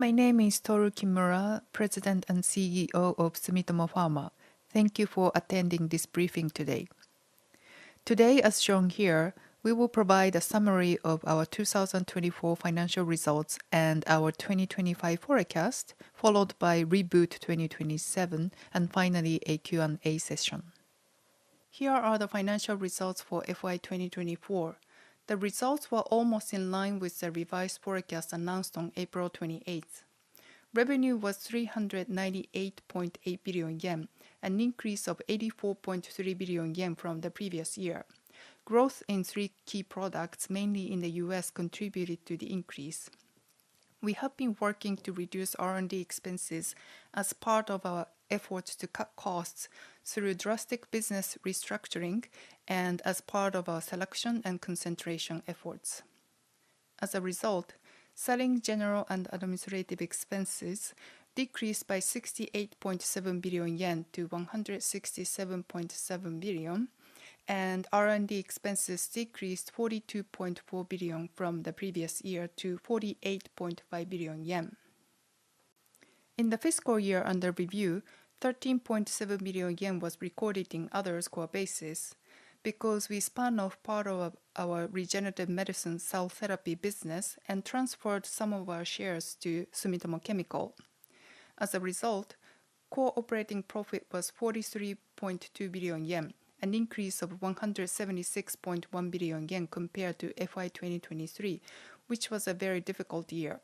My name is Toru Kimura, President and CEO of Sumitomo Pharma. Thank you for attending this briefing today. Today, as shown here, we will provide a summary of our 2024 financial results and our 2025 forecast, followed by Reboot 2027, and finally a Q&A session. Here are the financial results for FY 2024. The results were almost in line with the revised forecast announced on April 28. Revenue was 398.8 billion yen, an increase of 84.3 billion yen from the previous year. Growth in three key products, mainly in the U.S., contributed to the increase. We have been working to reduce R&D expenses as part of our efforts to cut costs through drastic business restructuring and as part of our selection and concentration efforts. As a result, selling, general and administrative expenses decreased by 68.7 billion yen to 167.7 billion, and R&D expenses decreased 42.4 billion from the previous year to 48.5 billion yen. In the fiscal year under review, 13.7 billion yen was recorded in other score bases because we spun off part of our regenerative medicine cell therapy business and transferred some of our shares to Sumitomo Chemical. As a result, core operating profit was 43.2 billion yen, an increase of 176.1 billion yen compared to FY 2023, which was a very difficult year.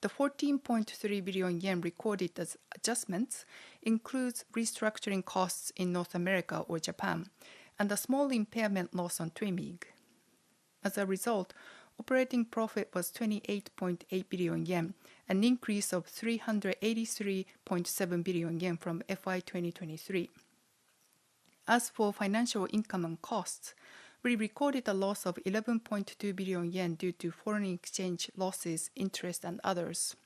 The 14.3 billion yen recorded as adjustments includes restructuring costs in North America or Japan and a small impairment loss on TWYMEEG. As a result, operating profit was 28.8 billion yen, an increase of 383.7 billion yen from FY 2023. As for financial income and costs, we recorded a loss of 11.2 billion yen due to foreign exchange losses, interest, and others.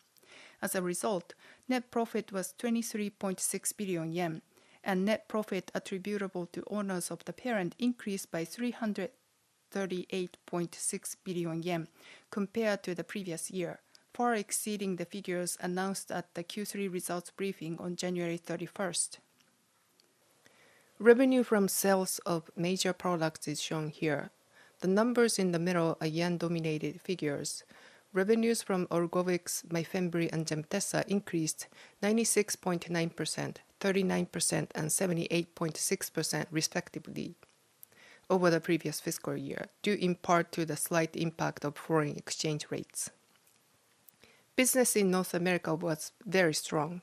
As a result, net profit was 23.6 billion yen, and net profit attributable to owners of the parent increased by 338.6 billion yen compared to the previous year, far exceeding the figures announced at the Q3 results briefing on January 31st. Revenue from sales of major products is shown here. The numbers in the middle are yen-dominated figures. Revenues from ORGOVYX, MYFEMBREE, and GEMTESA increased 96.9%, 39%, and 78.6%, respectively, over the previous fiscal year, due in part to the slight impact of foreign exchange rates. Business in North America was very strong.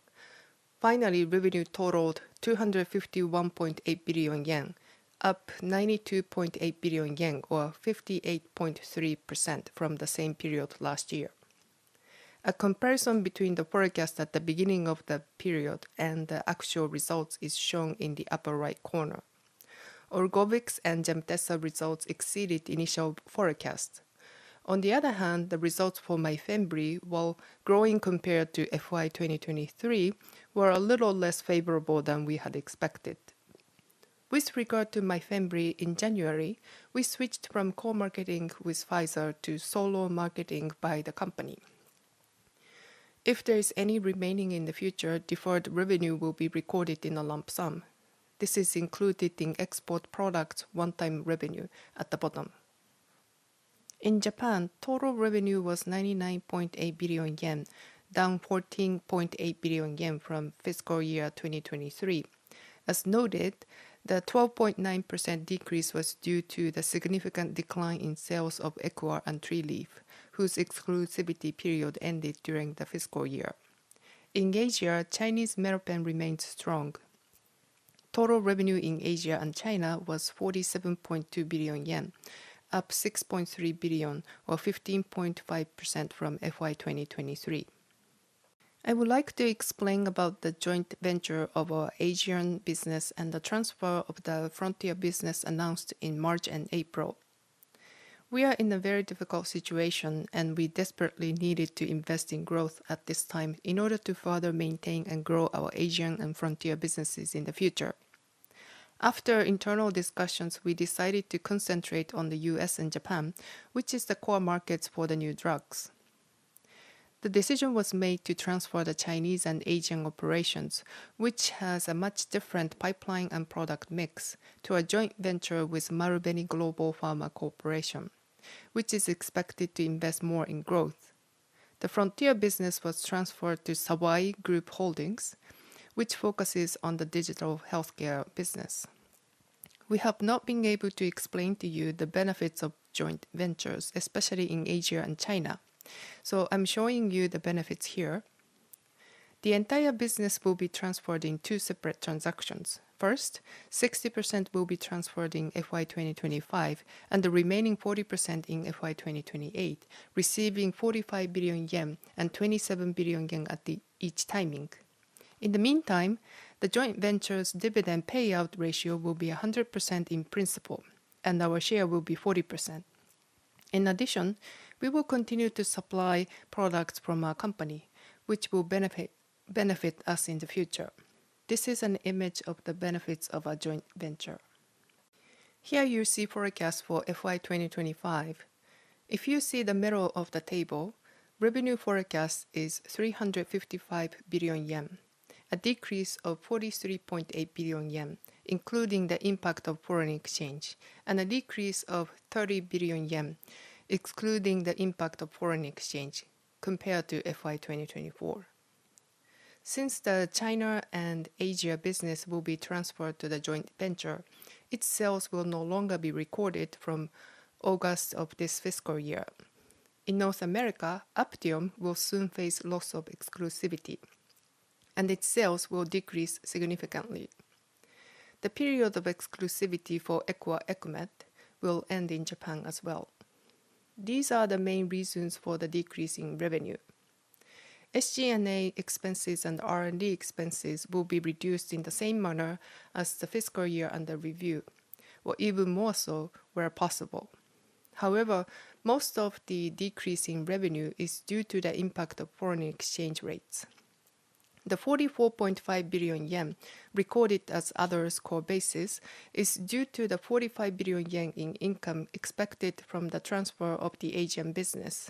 Finally, revenue totaled 251.8 billion yen, up 92.8 billion yen, or 58.3%, from the same period last year. A comparison between the forecast at the beginning of the period and the actual results is shown in the upper right corner. ORGOVYX and GEMTESA results exceeded initial forecasts. On the other hand, the results for MYFEMBREE, while growing compared to FY 2023, were a little less favorable than we had expected. With regard to MYFEMBREE, in January, we switched from co-marketing with Pfizer to solo marketing by the company. If there is any remaining in the future, deferred revenue will be recorded in a lump sum. This is included in export products one-time revenue at the bottom. In Japan, total revenue was 99.8 billion yen, down 14.8 billion yen from fiscal year 2023. As noted, the 12.9% decrease was due to the significant decline in sales of Equa and TRERIEF, whose exclusivity period ended during the fiscal year. In Asia, Chinese MEROPEN remained strong. Total revenue in Asia and China was 47.2 billion yen, up 6.3 billion, or 15.5%, from FY 2023. I would like to explain about the joint venture of our Asian business and the transfer of the frontier business announced in March and April. We are in a very difficult situation, and we desperately needed to invest in growth at this time in order to further maintain and grow our Asian and frontier businesses in the future. After internal discussions, we decided to concentrate on the U.S. and Japan, which are the core markets for the new drugs. The decision was made to transfer the Chinese and Asian operations, which have a much different pipeline and product mix, to a joint venture with Marubeni Global Pharma Corporation, which is expected to invest more in growth. The frontier business was transferred to Sawai Group Holdings, which focuses on the digital healthcare business. We have not been able to explain to you the benefits of joint ventures, especially in Asia and China, so I'm showing you the benefits here. The entire business will be transferred in two separate transactions. First, 60% will be transferred in FY 2025, and the remaining 40% in FY 2028, receiving 45 billion yen and 27 billion yen at each timing. In the meantime, the joint venture's dividend payout ratio will be 100% in principal, and our share will be 40%. In addition, we will continue to supply products from our company, which will benefit us in the future. This is an image of the benefits of a joint venture. Here you see the forecast for FY 2025. If you see the middle of the table, revenue forecast is 355 billion yen, a decrease of 43.8 billion yen, including the impact of foreign exchange, and a decrease of 30 billion yen, excluding the impact of foreign exchange, compared to FY 2024. Since the China and Asia business will be transferred to the joint venture, its sales will no longer be recorded from August of this fiscal year. In North America, APTIOM will soon face loss of exclusivity, and its sales will decrease significantly. The period of exclusivity for Equa/EquMet will end in Japan as well. These are the main reasons for the decrease in revenue. SG&A expenses and R&D expenses will be reduced in the same manner as the fiscal year under review, or even more so where possible. However, most of the decrease in revenue is due to the impact of foreign exchange rates. The 44.5 billion yen recorded as other score bases is due to the 45 billion yen in income expected from the transfer of the Asian business.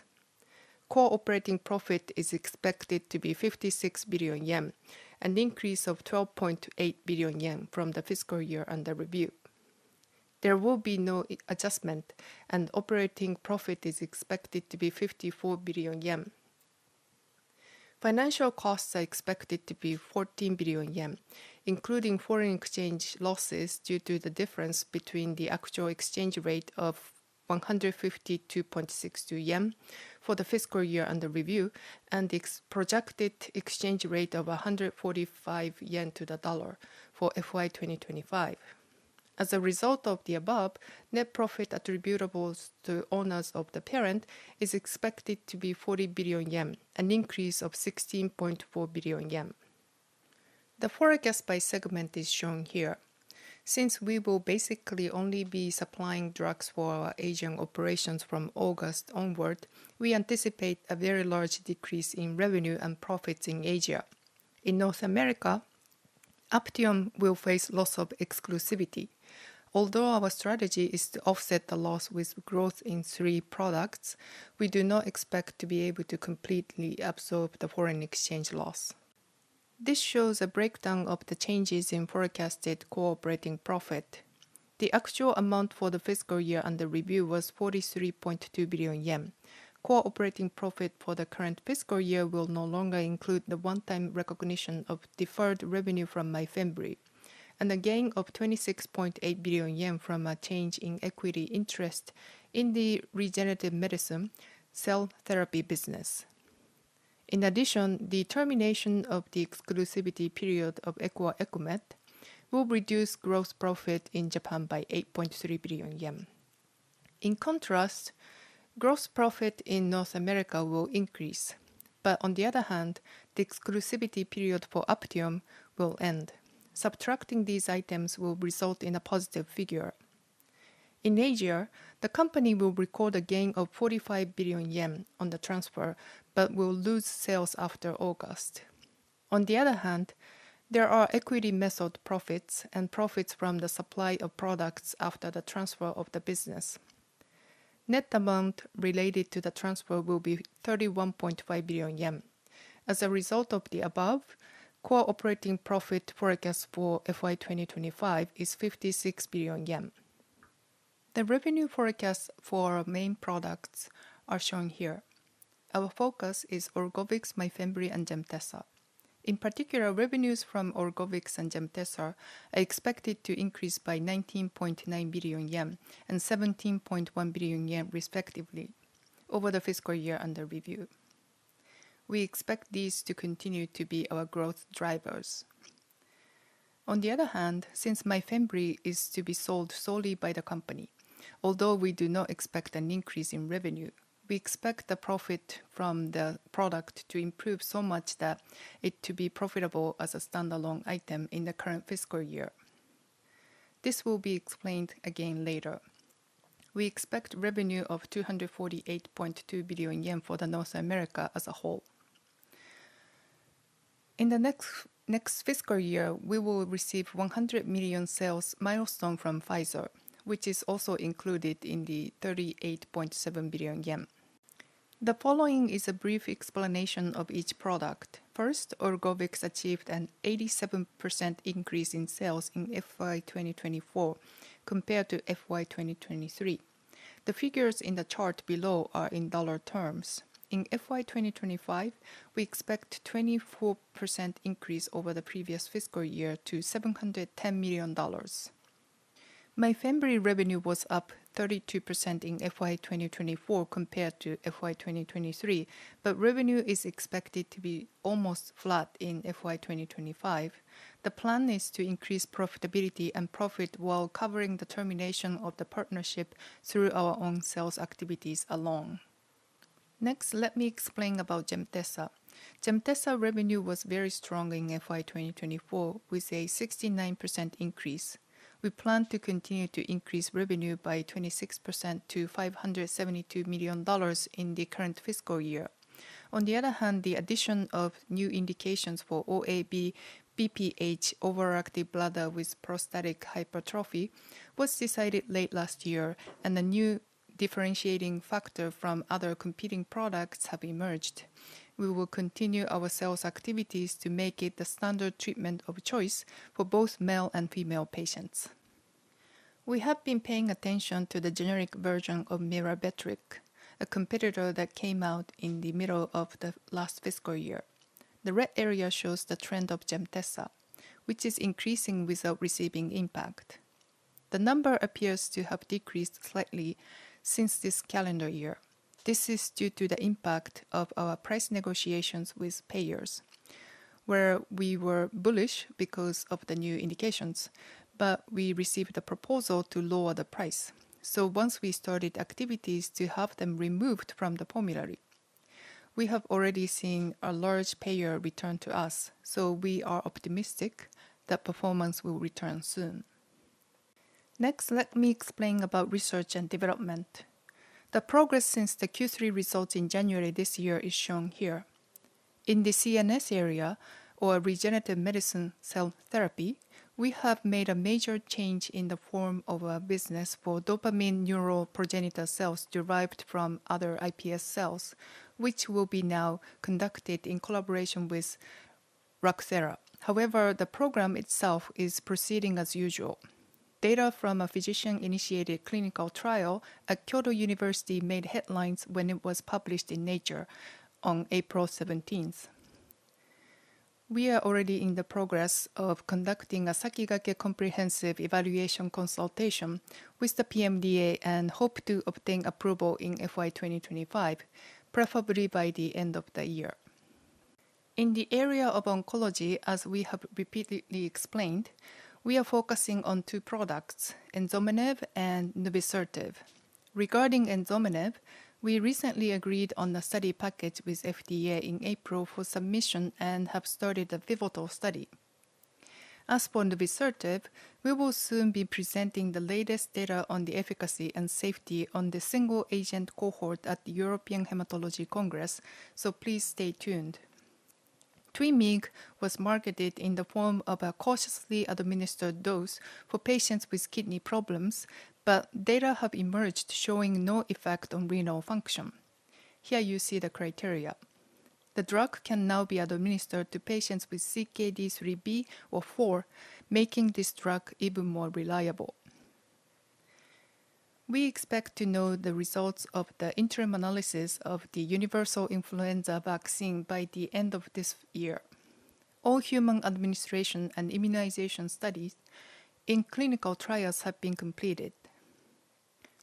Core operating profit is expected to be 56 billion yen, an increase of 12.8 billion yen from the fiscal year under review. There will be no adjustment, and operating profit is expected to be 54 billion yen. Financial costs are expected to be 14 billion yen, including foreign exchange losses due to the difference between the actual exchange rate of 152.62 yen for the fiscal year under review and the projected exchange rate of 145 yen to the dollar for FY 2025. As a result of the above, net profit attributable to owners of the parent is expected to be 40 billion yen, an increase of 16.4 billion yen. The forecast by segment is shown here. Since we will basically only be supplying drugs for our Asian operations from August onward, we anticipate a very large decrease in revenue and profits in Asia. In North America, APTIOM will face loss of exclusivity. Although our strategy is to offset the loss with growth in three products, we do not expect to be able to completely absorb the foreign exchange loss. This shows a breakdown of the changes in forecasted core operating profit. The actual amount for the fiscal year under review was 43.2 billion yen. Core operating profit for the current fiscal year will no longer include the one-time recognition of deferred revenue from MYFEMBREE and a gain of 26.8 billion yen from a change in equity interest in the regenerative medicine cell therapy business. In addition, the termination of the exclusivity period of Equa/EquMet will reduce gross profit in Japan by 8.3 billion yen. In contrast, gross profit in North America will increase, but on the other hand, the exclusivity period for APTIOM will end. Subtracting these items will result in a positive figure. In Asia, the company will record a gain of 45 billion yen on the transfer but will lose sales after August. On the other hand, there are equity method profits and profits from the supply of products after the transfer of the business. Net amount related to the transfer will be 31.5 billion yen. As a result of the above, core operating profit forecast for FY 2025 is 56 billion yen. The revenue forecasts for our main products are shown here. Our focus is ORGOVYX, MYFEMBREE, and GEMTESA. In particular, revenues from ORGOVYX and GEMTESA are expected to increase by 19.9 billion yen and 17.1 billion yen, respectively, over the fiscal year under review. We expect these to continue to be our growth drivers. On the other hand, since MYFEMBREE is to be sold solely by the company, although we do not expect an increase in revenue, we expect the profit from the product to improve so much that it to be profitable as a standalone item in the current fiscal year. This will be explained again later. We expect revenue of 248.2 billion yen for North America as a whole. In the next fiscal year, we will receive a 100 million sales milestone from Pfizer, which is also included in the 38.7 billion yen. The following is a brief explanation of each product. First, ORGOVYX achieved an 87% increase in sales in FY 2024 compared to FY 2023. The figures in the chart below are in dollar terms. In FY 2025, we expect a 24% increase over the previous fiscal year to $710 million. MYFEMBREE revenue was up 32% in FY 2024 compared to FY 2023, but revenue is expected to be almost flat in FY 2025. The plan is to increase profitability and profit while covering the termination of the partnership through our own sales activities alone. Next, let me explain about GEMTESA. GEMTESA revenue was very strong in FY 2024, with a 69% increase. We plan to continue to increase revenue by 26% to $572 million in the current fiscal year. On the other hand, the addition of new indications for OAB/BPH, overactive bladder with prostatic hypertrophy, was decided late last year, and a new differentiating factor from other competing products has emerged. We will continue our sales activities to make it the standard treatment of choice for both male and female patients. We have been paying attention to the generic version of Myrbetriq, a competitor that came out in the middle of the last fiscal year. The red area shows the trend of GEMTESA, which is increasing without receiving impact. The number appears to have decreased slightly since this calendar year. This is due to the impact of our price negotiations with payers, where we were bullish because of the new indications, but we received a proposal to lower the price. Once we started activities to have them removed from the formulary, we have already seen a large payer return to us, so we are optimistic that performance will return soon. Next, let me explain about research and development. The progress since the Q3 results in January this year is shown here. In the CNS area, or regenerative medicine cell therapy, we have made a major change in the form of a business for dopamine neuroprogenitor cells derived from other iPS cells, which will be now conducted in collaboration with RACTHERA. However, the program itself is proceeding as usual. Data from a physician-initiated clinical trial at Kyoto University made headlines when it was published in Nature on April 17th. We are already in the progress of conducting a SAKIGAKE comprehensive evaluation consultation with the PMDA and hope to obtain approval in FY 2025, preferably by the end of the year. In the area of oncology, as we have repeatedly explained, we are focusing on two products, Enzomenib and Nuvisertib. Regarding Enzomenib, we recently agreed on a study package with the FDA in April for submission and have started a pivotal study. As for Nuvisertib, we will soon be presenting the latest data on the efficacy and safety on the single-agent cohort at the European Hematology Congress, so please stay tuned. TWYMEEG was marketed in the form of a cautiously administered dose for patients with kidney problems, but data have emerged showing no effect on renal function. Here you see the criteria. The drug can now be administered to patients with CKD 3b or 4, making this drug even more reliable. We expect to know the results of the interim analysis of the universal influenza vaccine by the end of this year. All human administration and immunization studies in clinical trials have been completed.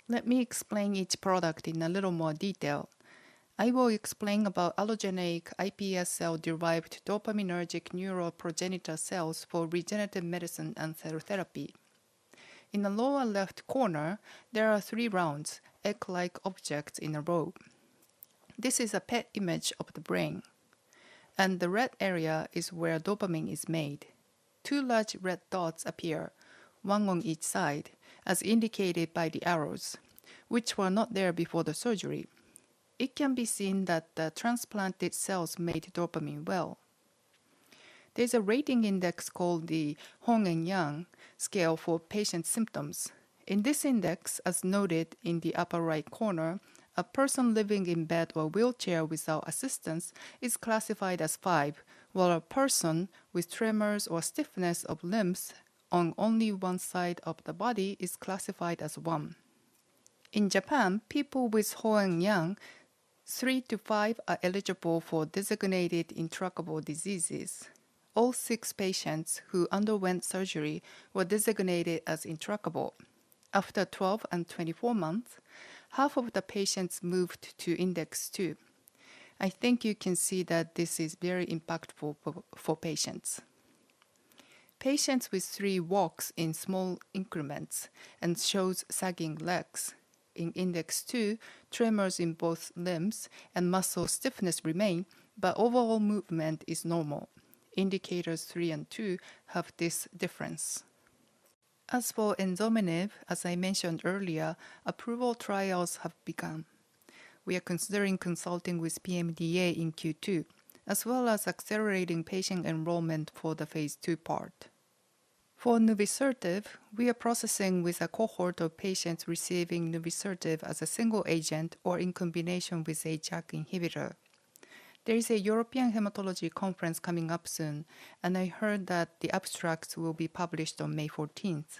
Let me explain each product in a little more detail. I will explain about allogeneic iPS cell-derived dopaminergic neuroprogenitor cells for regenerative medicine and cell therapy. In the lower left corner, there are three round, egg-like objects in a row. This is a PET image of the brain, and the red area is where dopamine is made. Two large red dots appear, one on each side, as indicated by the arrows, which were not there before the surgery. It can be seen that the transplanted cells made dopamine well. There's a rating index called the Hoehn and Yahr scale for patient symptoms. In this index, as noted in the upper right corner, a person living in bed or wheelchair without assistance is classified as 5, while a person with tremors or stiffness of limbs on only one side of the body is classified as 1. In Japan, people with Hoehn and Yahr, 3-5, are eligible for designated intractable diseases. All six patients who underwent surgery were designated as intractable. After 12 and 24 months, half of the patients moved to index 2. I think you can see that this is very impactful for patients. Patients with 3 walks in small increments and shows sagging legs. In index 2, tremors in both limbs and muscle stiffness remain, but overall movement is normal. Indicators 3 and 2 have this difference. As for Enzomenib, as I mentioned earlier, approval trials have begun. We are considering consulting with PMDA in Q2, as well as accelerating patient enrollment for the phase II part. For Nuvisertib, we are processing with a cohort of patients receiving Nuvisertib as a single agent or in combination with a JAK inhibitor. There is a European Hematology Conference coming up soon, and I heard that the abstracts will be published on May 14th.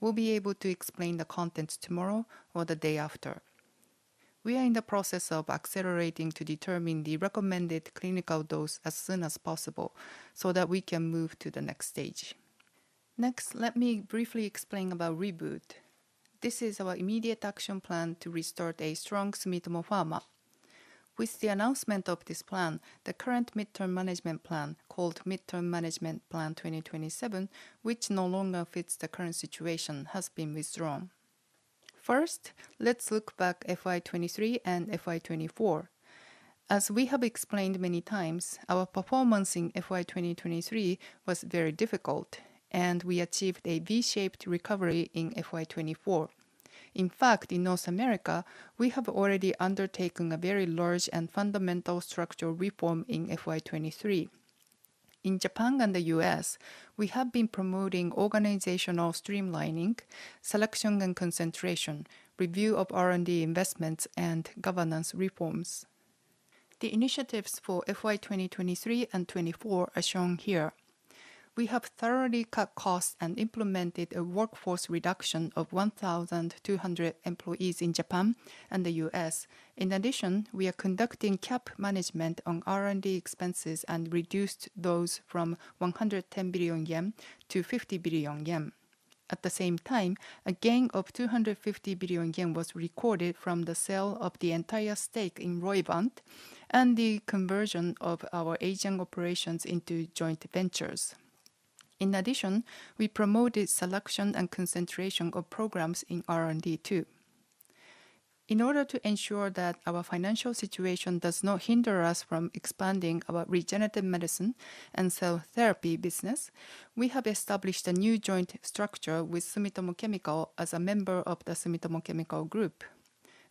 We'll be able to explain the contents tomorrow or the day after. We are in the process of accelerating to determine the recommended clinical dose as soon as possible so that we can move to the next stage. Next, let me briefly explain about Reboot. This is our immediate action plan to restart a strong Sumitomo Pharma. With the announcement of this plan, the current midterm management plan, called Midterm Management Plan 2027, which no longer fits the current situation, has been withdrawn. First, let's look back at FY 2023 and FY 2024. As we have explained many times, our performance in FY 2023 was very difficult, and we achieved a V-shaped recovery in FY 2024. In fact, in North America, we have already undertaken a very large and fundamental structural reform in FY 2023. In Japan and the U.S., we have been promoting organizational streamlining, selection and concentration, review of R&D investments, and governance reforms. The initiatives for FY 2023 and FY 2024 are shown here. We have thoroughly cut costs and implemented a workforce reduction of 1,200 employees in Japan and the U.S. In addition, we are conducting cap management on R&D expenses and reduced those from 110 billion yen to 50 billion yen. At the same time, a gain of 250 billion yen was recorded from the sale of the entire stake in Roivant and the conversion of our agent operations into joint ventures. In addition, we promoted selection and concentration of programs in R&D too. In order to ensure that our financial situation does not hinder us from expanding our regenerative medicine and cell therapy business, we have established a new joint structure with Sumitomo Chemical as a member of the Sumitomo Chemical Group.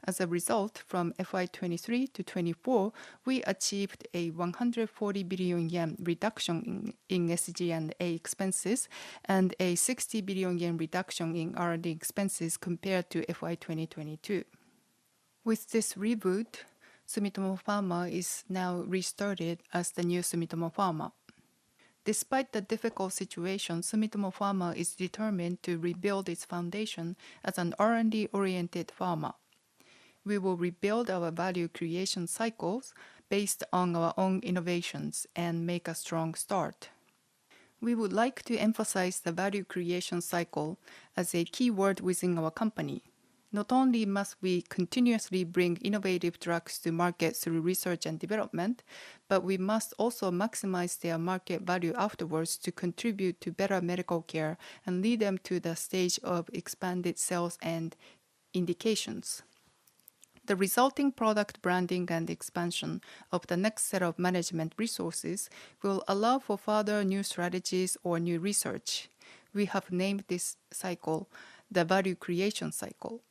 As a result, from FY 2023-FY 2024, we achieved a 140 billion yen reduction in SG&A expenses and a 60 billion yen reduction in R&D expenses compared to fiscal year 2022. With this reboot, Sumitomo Pharma is now restarted as the new Sumitomo Pharma. Despite the difficult situation, Sumitomo Pharma is determined to rebuild its foundation as an R&D-oriented pharma. We will rebuild our value creation cycles based on our own innovations and make a strong start. We would like to emphasize the value creation cycle as a key word within our company. Not only must we continuously bring innovative drugs to market through research and development, but we must also maximize their market value afterwards to contribute to better medical care and lead them to the stage of expanded sales and indications. The resulting product branding and expansion of the next set of management resources will allow for further new strategies or new research. We have named this cycle the Value Creation Cycle.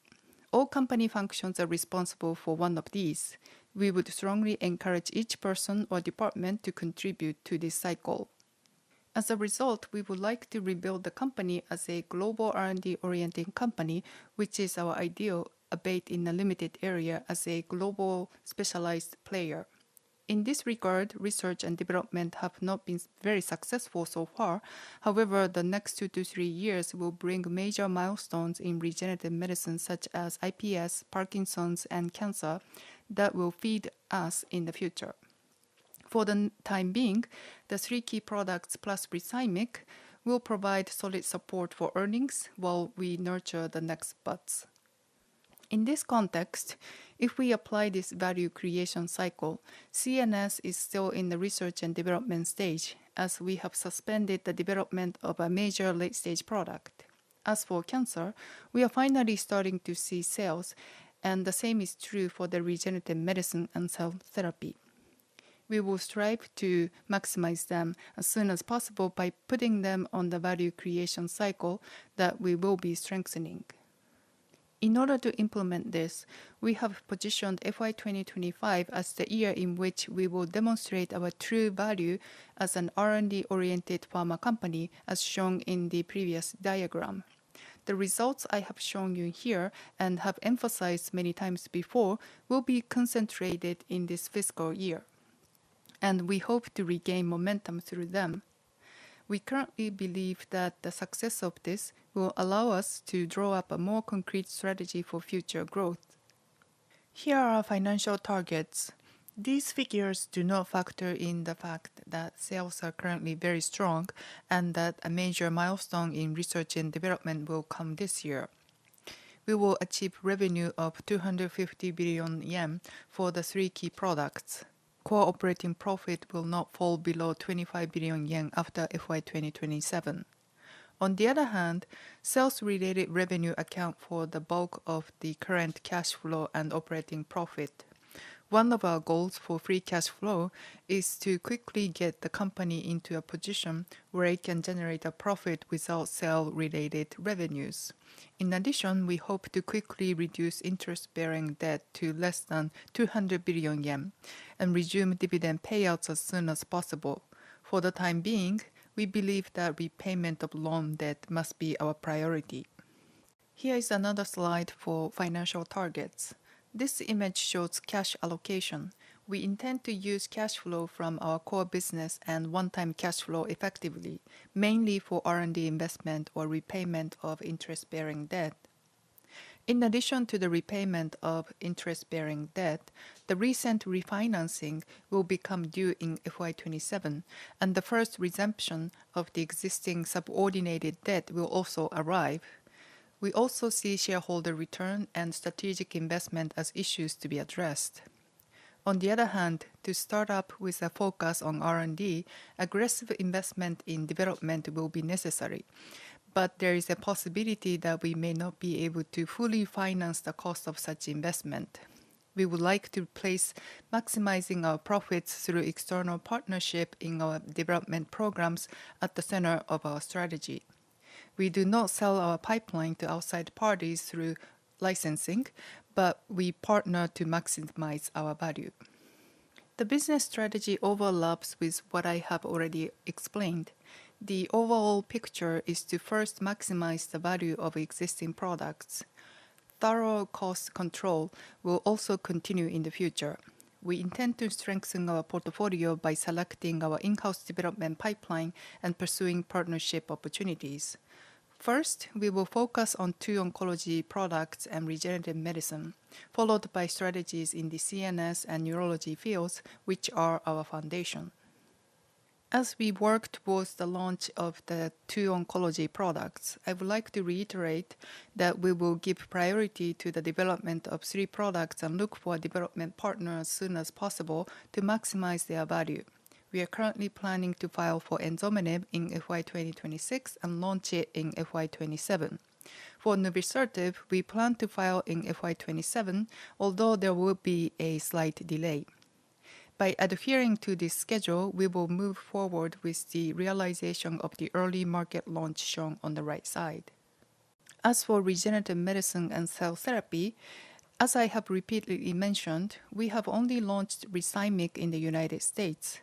All company functions are responsible for one of these. We would strongly encourage each person or department to contribute to this cycle. As a result, we would like to rebuild the company as a global R&D-oriented company, which is our ideal albeit in a limited area as a global specialized player. In this regard, research and development have not been very successful so far. However, the next two to three years will bring major milestones in regenerative medicine, such as iPS, Parkinson's, and cancer, that will feed us in the future. For the time being, the three key products plus RETHYMIC will provide solid support for earnings while we nurture the next buds. In this context, if we apply this Value Creation Cycle, CNS is still in the research and development stage, as we have suspended the development of a major late-stage product. As for cancer, we are finally starting to see sales, and the same is true for the regenerative medicine and cell therapy. We will strive to maximize them as soon as possible by putting them on the Value Creation Cycle that we will be strengthening. In order to implement this, we have positioned FY 2025 as the year in which we will demonstrate our true value as an R&D-oriented pharma company, as shown in the previous diagram. The results I have shown you here and have emphasized many times before will be concentrated in this fiscal year, and we hope to regain momentum through them. We currently believe that the success of this will allow us to draw up a more concrete strategy for future growth. Here are our financial targets. These figures do not factor in the fact that sales are currently very strong and that a major milestone in research and development will come this year. We will achieve revenue of 250 billion yen for the three key products. Core operating profit will not fall below 25 billion yen after FY 2027. On the other hand, sales-related revenue accounts for the bulk of the current cash flow and operating profit. One of our goals for free cash flow is to quickly get the company into a position where it can generate a profit without sales-related revenues. In addition, we hope to quickly reduce interest-bearing debt to less than 200 billion yen and resume dividend payouts as soon as possible. For the time being, we believe that repayment of loan debt must be our priority. Here is another slide for financial targets. This image shows cash allocation. We intend to use cash flow from our core business and one-time cash flow effectively, mainly for R&D investment or repayment of interest-bearing debt. In addition to the repayment of interest-bearing debt, the recent refinancing will become due in FY 2027, and the first resumption of the existing subordinated debt will also arrive. We also see shareholder return and strategic investment as issues to be addressed. On the other hand, to start up with a focus on R&D, aggressive investment in development will be necessary, but there is a possibility that we may not be able to fully finance the cost of such investment. We would like to place maximizing our profits through external partnerships in our development programs at the center of our strategy. We do not sell our pipeline to outside parties through licensing, but we partner to maximize our value. The business strategy overlaps with what I have already explained. The overall picture is to first maximize the value of existing products. Thorough cost control will also continue in the future. We intend to strengthen our portfolio by selecting our in-house development pipeline and pursuing partnership opportunities. First, we will focus on two oncology products and regenerative medicine, followed by strategies in the CNS and neurology fields, which are our foundation. As we work towards the launch of the two oncology products, I would like to reiterate that we will give priority to the development of three products and look for development partners as soon as possible to maximize their value. We are currently planning to file for Enzomenib in FY 2026 and launch it in FY 2027. For Nuvisertib, we plan to file in FY 2027, although there will be a slight delay. By adhering to this schedule, we will move forward with the realization of the early market launch shown on the right side. As for regenerative medicine and cell therapy, as I have repeatedly mentioned, we have only launched RETHYMIC in the United States.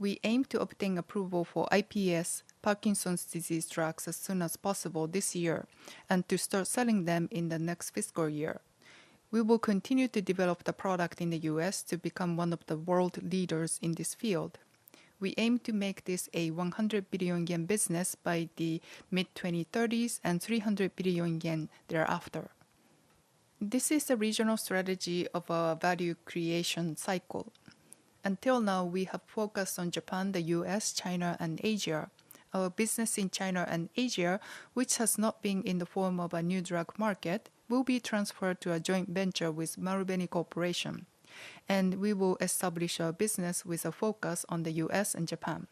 We aim to obtain approval for iPS, Parkinson's disease drugs, as soon as possible this year and to start selling them in the next fiscal year. We will continue to develop the product in the U.S. to become one of the world leaders in this field. We aim to make this a 100 billion yen business by the mid-2030s and 300 billion yen thereafter. This is a regional strategy of our Value Creation Cycle. Until now, we have focused on Japan, the U.S., China, and Asia. Our business in China and Asia, which has not been in the form of a new drug market, will be transferred to a joint venture with Marubeni Global Pharma Corporation, and we will establish our business with a focus on the U.S. and Japan.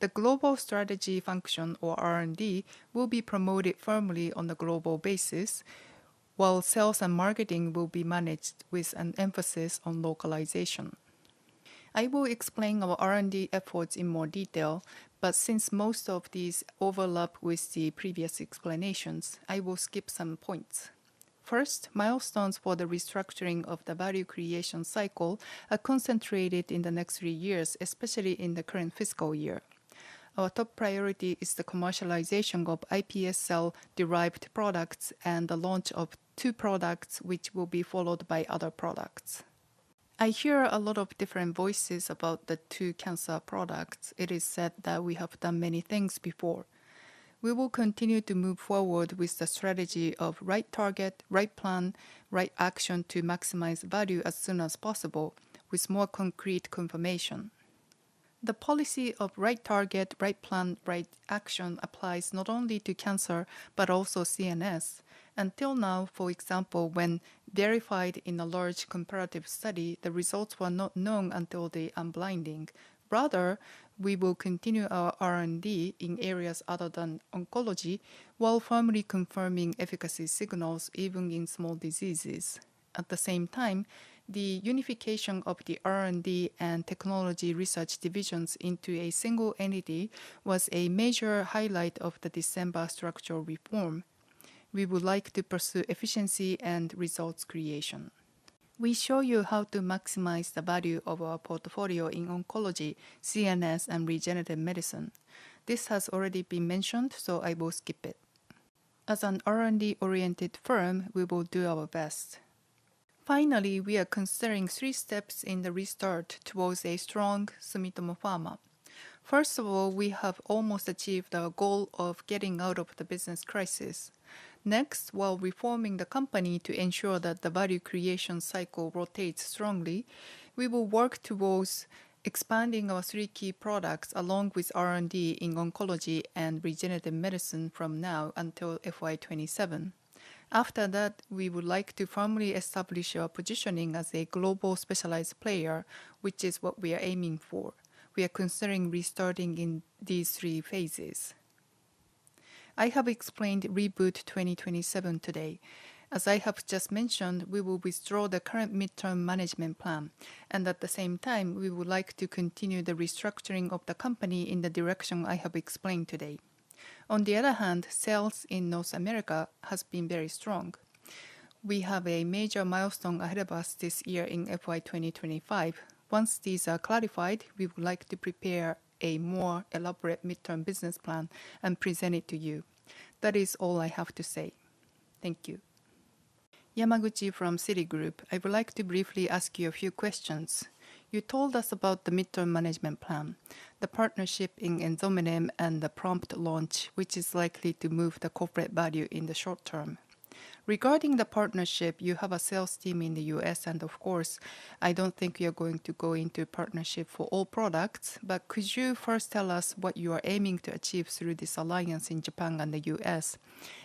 The global strategy function, or R&D, will be promoted firmly on a global basis, while sales and marketing will be managed with an emphasis on localization. I will explain our R&D efforts in more detail, but since most of these overlap with the previous explanations, I will skip some points. First, milestones for the restructuring of the value creation cycle are concentrated in the next three years, especially in the current fiscal year. Our top priority is the commercialization of iPS cell-derived products and the launch of two products, which will be followed by other products. I hear a lot of different voices about the two cancer products. It is said that we have done many things before. We will continue to move forward with the strategy of Right target, Right plan, Right action to maximize value as soon as possible with more concrete confirmation. The policy of Right target, Right plan, Right action applies not only to cancer but also CNS. Until now, for example, when verified in a large comparative study, the results were not known until the unblinding. Rather, we will continue our R&D in areas other than oncology while firmly confirming efficacy signals even in small diseases. At the same time, the unification of the R&D and technology research divisions into a single entity was a major highlight of the December structural reform. We would like to pursue efficiency and results creation. We show you how to maximize the value of our portfolio in oncology, CNS, and regenerative medicine. This has already been mentioned, so I will skip it. As an R&D-oriented firm, we will do our best. Finally, we are considering three steps in the restart towards a strong Sumitomo Pharma. First of all, we have almost achieved our goal of getting out of the business crisis. Next, while reforming the company to ensure that the Value Creation Cycle rotates strongly, we will work towards expanding our three key products along with R&D in oncology and regenerative medicine from now until FY 2027. After that, we would like to firmly establish our positioning as a global specialized player, which is what we are aiming for. We are considering restarting in these three phases. I have explained reboot 2027 today. As I have just mentioned, we will withdraw the current midterm management plan, and at the same time, we would like to continue the restructuring of the company in the direction I have explained today. On the other hand, sales in North America have been very strong. We have a major milestone ahead of us this year in FY 2025. Once these are clarified, we would like to prepare a more elaborate midterm business plan and present it to you. That is all I have to say. Thank you. Yamaguchi from Citigroup, I would like to briefly ask you a few questions. You told us about the midterm management plan, the partnership in Enzomenib, and the prompt launch, which is likely to move the corporate value in the short term. Regarding the partnership, you have a sales team in the U.S., and of course, I do not think you are going to go into partnership for all products, but could you first tell us what you are aiming to achieve through this alliance in Japan and the U.S.,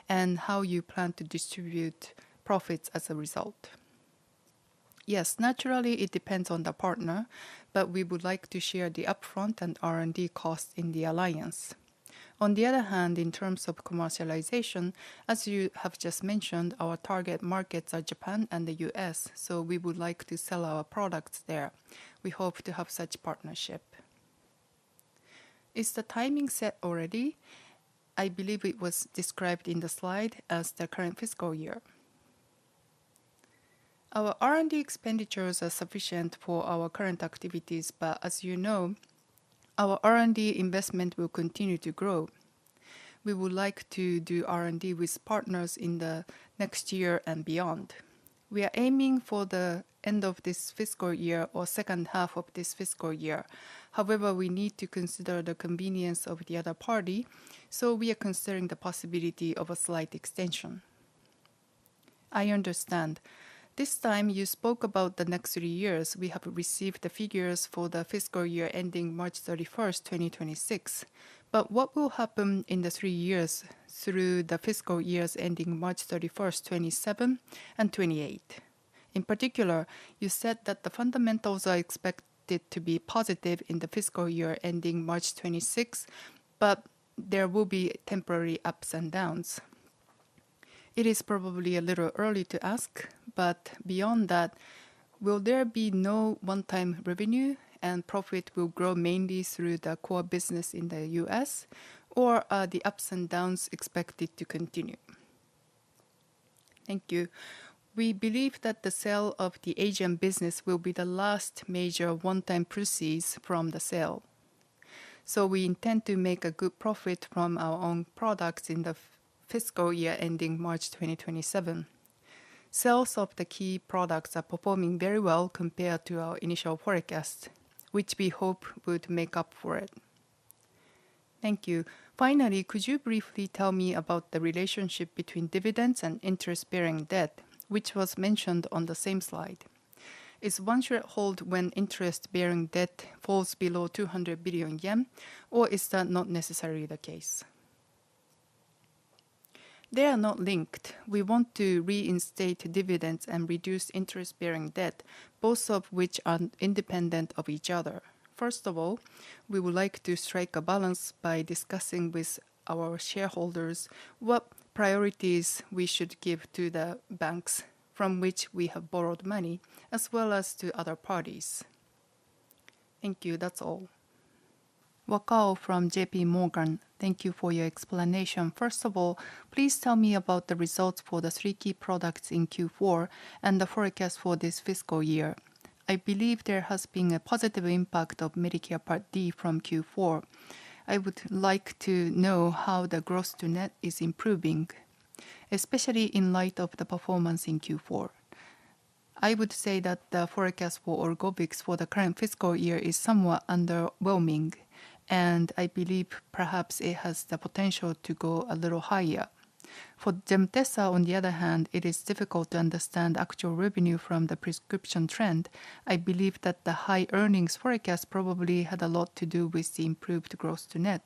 and how you plan to distribute profits as a result? Yes, naturally, it depends on the partner, but we would like to share the upfront and R&D costs in the alliance. On the other hand, in terms of commercialization, as you have just mentioned, our target markets are Japan and the U.S., so we would like to sell our products there. We hope to have such partnership. Is the timing set already? I believe it was described in the slide as the current fiscal year. Our R&D expenditures are sufficient for our current activities, but as you know, our R&D investment will continue to grow. We would like to do R&D with partners in the next year and beyond. We are aiming for the end of this fiscal year or second half of this fiscal year. However, we need to consider the convenience of the other party, so we are considering the possibility of a slight extension. I understand. This time, you spoke about the next three years. We have received the figures for the fiscal year ending March 31st, 2026, but what will happen in the three years through the fiscal years ending March 31st, 2027 and 2028? In particular, you said that the fundamentals are expected to be positive in the fiscal year ending March 2026, but there will be temporary ups and downs. It is probably a little early to ask, but beyond that, will there be no one-time revenue and profit will grow mainly through the core business in the U.S., or are the ups and downs expected to continue? Thank you. We believe that the sale of the Asian business will be the last major one-time proceeds from the sale, so we intend to make a good profit from our own products in the fiscal year ending March 2027. Sales of the key products are performing very well compared to our initial forecast, which we hope would make up for it. Thank you. Finally, could you briefly tell me about the relationship between dividends and interest-bearing debt, which was mentioned on the same slide? Is one shareholder when interest-bearing debt falls below 200 billion yen, or is that not necessarily the case? They are not linked. We want to reinstate dividends and reduce interest-bearing debt, both of which are independent of each other. First of all, we would like to strike a balance by discussing with our shareholders what priorities we should give to the banks from which we have borrowed money, as well as to other parties. Thank you. That's all. Wakao from JPMorgan. Thank you for your explanation. First of all, please tell me about the results for the three key products in Q4 and the forecast for this fiscal year. I believe there has been a positive impact of Medicare Part D from Q4. I would like to know how the gross to net is improving, especially in light of the performance in Q4. I would say that the forecast for ORGOVYX for the current fiscal year is somewhat underwhelming, and I believe perhaps it has the potential to go a little higher. For GEMTESA, on the other hand, it is difficult to understand actual revenue from the prescription trend. I believe that the high earnings forecast probably had a lot to do with the improved gross to net.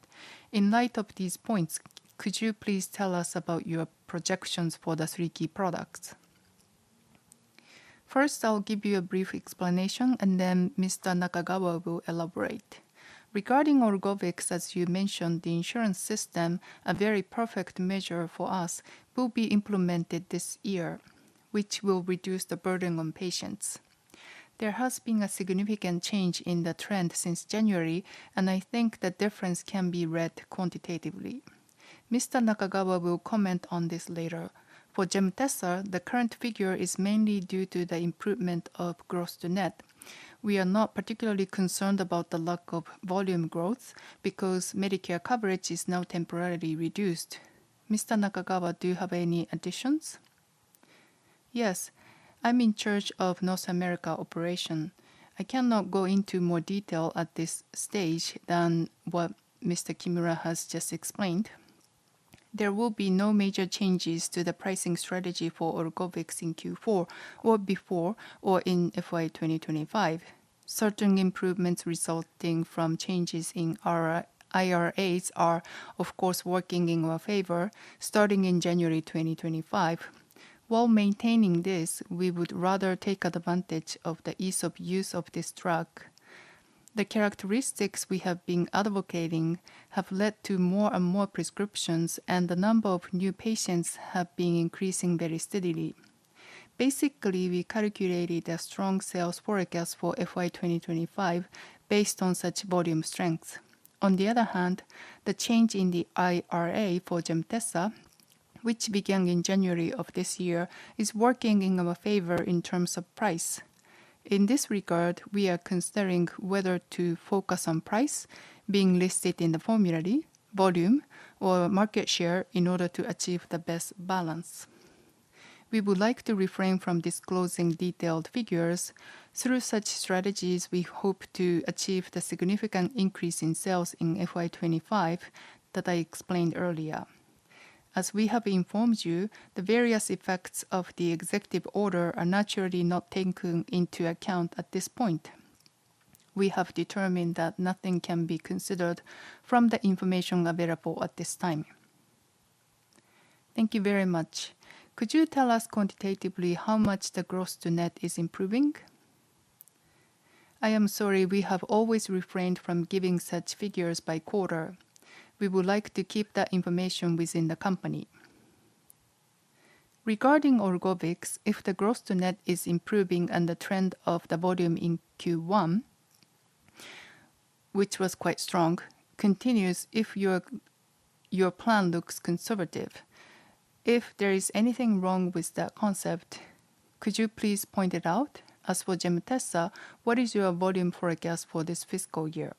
In light of these points, could you please tell us about your projections for the three key products? First, I'll give you a brief explanation, and then Mr. Nakagawa will elaborate. Regarding ORGOVYX, as you mentioned, the insurance system, a very perfect measure for us, will be implemented this year, which will reduce the burden on patients. There has been a significant change in the trend since January, and I think the difference can be read quantitatively. Mr. Nakagawa will comment on this later. For GEMTESA, the current figure is mainly due to the improvement of gross to net. We are not particularly concerned about the lack of volume growth because Medicare coverage is now temporarily reduced. Mr. Nakagawa, do you have any additions? Yes. I'm in charge of North America operation. I cannot go into more detail at this stage than what Mr. Kimura has just explained. There will be no major changes to the pricing strategy for ORGOVYX in Q4 or before or in FY 2025. Certain improvements resulting from changes in our IRAs are, of course, working in our favor starting in January 2025. While maintaining this, we would rather take advantage of the ease of use of this drug. The characteristics we have been advocating have led to more and more prescriptions, and the number of new patients have been increasing very steadily. Basically, we calculated a strong sales forecast for FY 2025 based on such volume strength. On the other hand, the change in the IRA for GEMTESA, which began in January of this year, is working in our favor in terms of price. In this regard, we are considering whether to focus on price being listed in the formulae, volume, or market share in order to achieve the best balance. We would like to refrain from disclosing detailed figures. Through such strategies, we hope to achieve the significant increase in sales in FY 2025 that I explained earlier. As we have informed you, the various effects of the executive order are naturally not taken into account at this point. We have determined that nothing can be considered from the information available at this time. Thank you very much. Could you tell us quantitatively how much the gross to net is improving? I am sorry. We have always refrained from giving such figures by quarter. We would like to keep that information within the company. Regarding ORGOVYX, if the gross to net is improving and the trend of the volume in Q1, which was quite strong, continues, if your plan looks conservative, if there is anything wrong with the concept, could you please point it out? As for GEMTESA, what is your volume forecast for this fiscal year?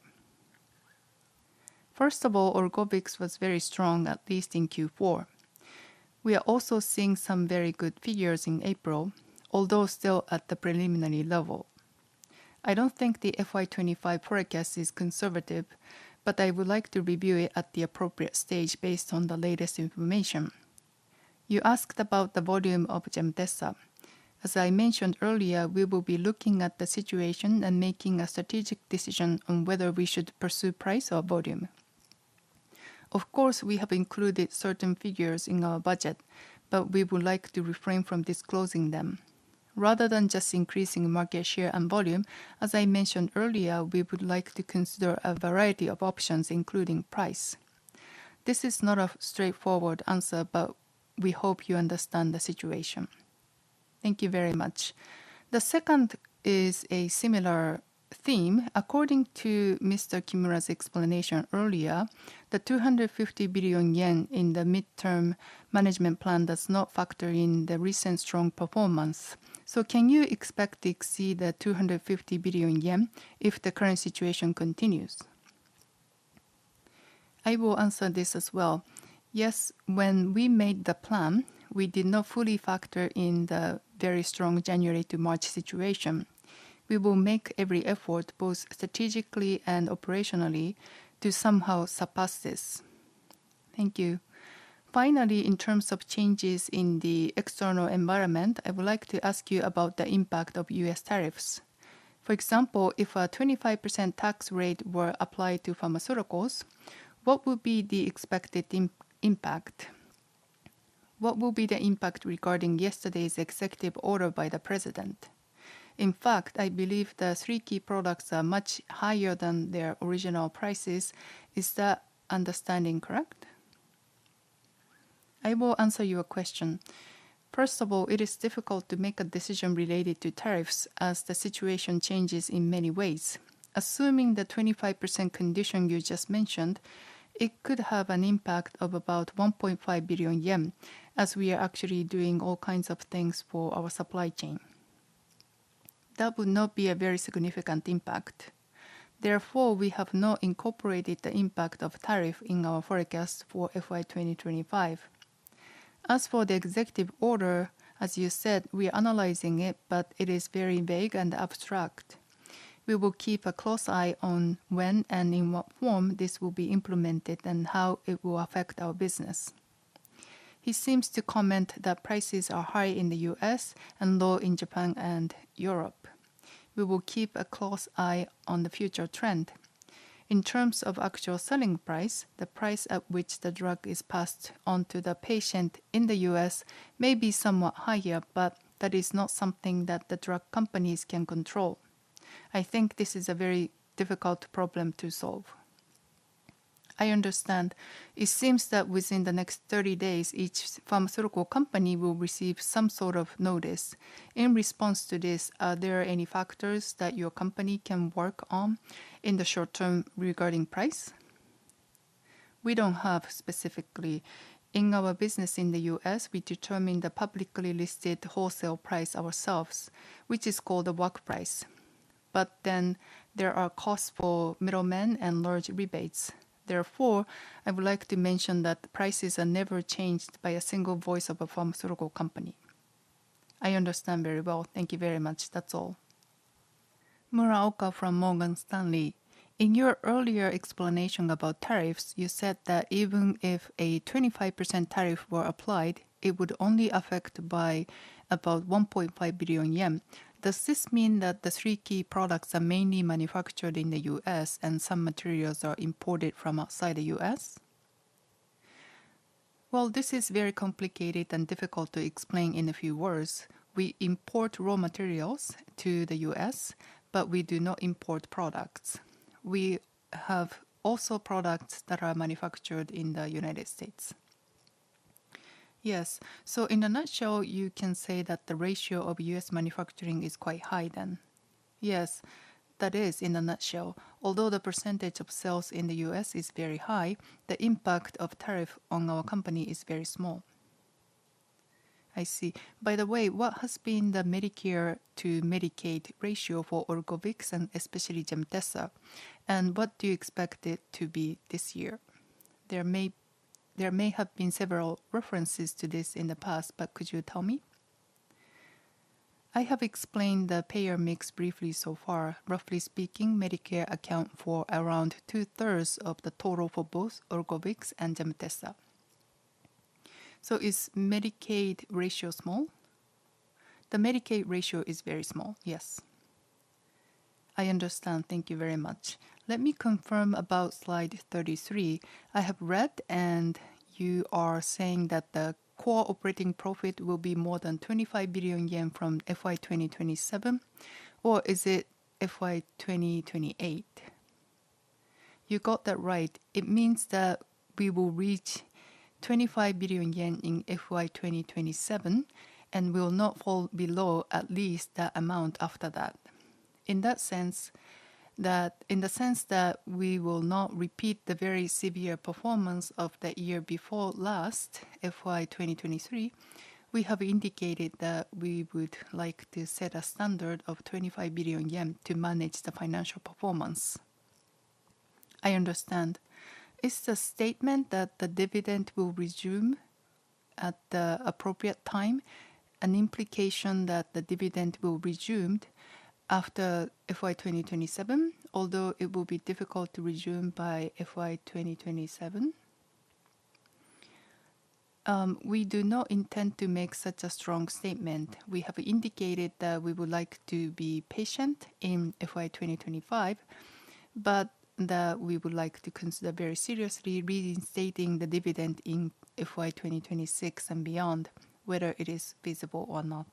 First of all, ORGOVYX was very strong, at least in Q4. We are also seeing some very good figures in April, although still at the preliminary level. I do not think the FY 2025 forecast is conservative, but I would like to review it at the appropriate stage based on the latest information. You asked about the volume of GEMTESA. As I mentioned earlier, we will be looking at the situation and making a strategic decision on whether we should pursue price or volume. Of course, we have included certain figures in our budget, but we would like to refrain from disclosing them. Rather than just increasing market share and volume, as I mentioned earlier, we would like to consider a variety of options, including price. This is not a straightforward answer, but we hope you understand the situation. Thank you very much. The second is a similar theme. According to Mr. Kimura's explanation earlier, the 250 billion yen in the midterm management plan does not factor in the recent strong performance. So can you expect to exceed the 250 billion yen if the current situation continues? I will answer this as well. Yes, when we made the plan, we did not fully factor in the very strong January to March situation. We will make every effort, both strategically and operationally, to somehow surpass this. Thank you. Finally, in terms of changes in the external environment, I would like to ask you about the impact of U.S. tariffs. For example, if a 25% tax rate were applied to pharmaceuticals, what would be the expected impact? What will be the impact regarding yesterday's executive order by the president? In fact, I believe the three key products are much higher than their original prices. Is that understanding correct? I will answer your question. First of all, it is difficult to make a decision related to tariffs as the situation changes in many ways. Assuming the 25% condition you just mentioned, it could have an impact of about 1.5 billion yen, as we are actually doing all kinds of things for our supply chain. That would not be a very significant impact. Therefore, we have not incorporated the impact of tariff in our forecast for FY 2025. As for the executive order, as you said, we are analyzing it, but it is very vague and abstract. We will keep a close eye on when and in what form this will be implemented and how it will affect our business. He seems to comment that prices are high in the U.S. and low in Japan and Europe. We will keep a close eye on the future trend. In terms of actual selling price, the price at which the drug is passed on to the patient in the U.S. may be somewhat higher, but that is not something that the drug companies can control. I think this is a very difficult problem to solve. I understand. It seems that within the next 30 days, each pharmaceutical company will receive some sort of notice. In response to this, are there any factors that your company can work on in the short term regarding price? We do not have specifically. In our business in the U.S., we determine the publicly listed wholesale price ourselves, which is called a work price. But then there are costs for middlemen and large rebates. Therefore, I would like to mention that prices are never changed by a single voice of a pharmaceutical company. I understand very well. Thank you very much. That is all. Muraoka from Morgan Stanley. In your earlier explanation about tariffs, you said that even if a 25% tariff were applied, it would only affect by about 1.5 billion yen. Does this mean that the three key products are mainly manufactured in the U.S. and some materials are imported from outside the U.S.? This is very complicated and difficult to explain in a few words. We import raw materials to the U.S., but we do not import products. We have also products that are manufactured in the United States. Yes. In a nutshell, you can say that the ratio of U.S. manufacturing is quite high then. Yes, that is in a nutshell. Although the percentage of sales in the U.S. is very high, the impact of tariff on our company is very small. I see. By the way, what has been the Medicare to Medicaid ratio for ORGOVYX and especially GEMTESA? And what do you expect it to be this year? There may have been several references to this in the past, but could you tell me? I have explained the payer mix briefly so far. Roughly speaking, Medicare accounts for around 2/3 of the total for both ORGOVYX and GEMTESA. Is Medicaid ratio small? The Medicaid ratio is very small, yes. I understand. Thank you very much. Let me confirm about slide 33. I have read, and you are saying that the core operating profit will be more than 25 billion yen from FY 2027, or is it FY 2028? You got that right. It means that we will reach 25 billion yen in FY 2027 and will not fall below at least that amount after that. In that sense, in the sense that we will not repeat the very severe performance of the year before last, FY 2023, we have indicated that we would like to set a standard of 25 billion yen to manage the financial performance. I understand. Is the statement that the dividend will resume at the appropriate time an implication that the dividend will resume after FY 2027, although it will be difficult to resume by FY 2027? We do not intend to make such a strong statement. We have indicated that we would like to be patient in FY 2025, but that we would like to consider very seriously reinstating the dividend in FY 2026 and beyond, whether it is feasible or not.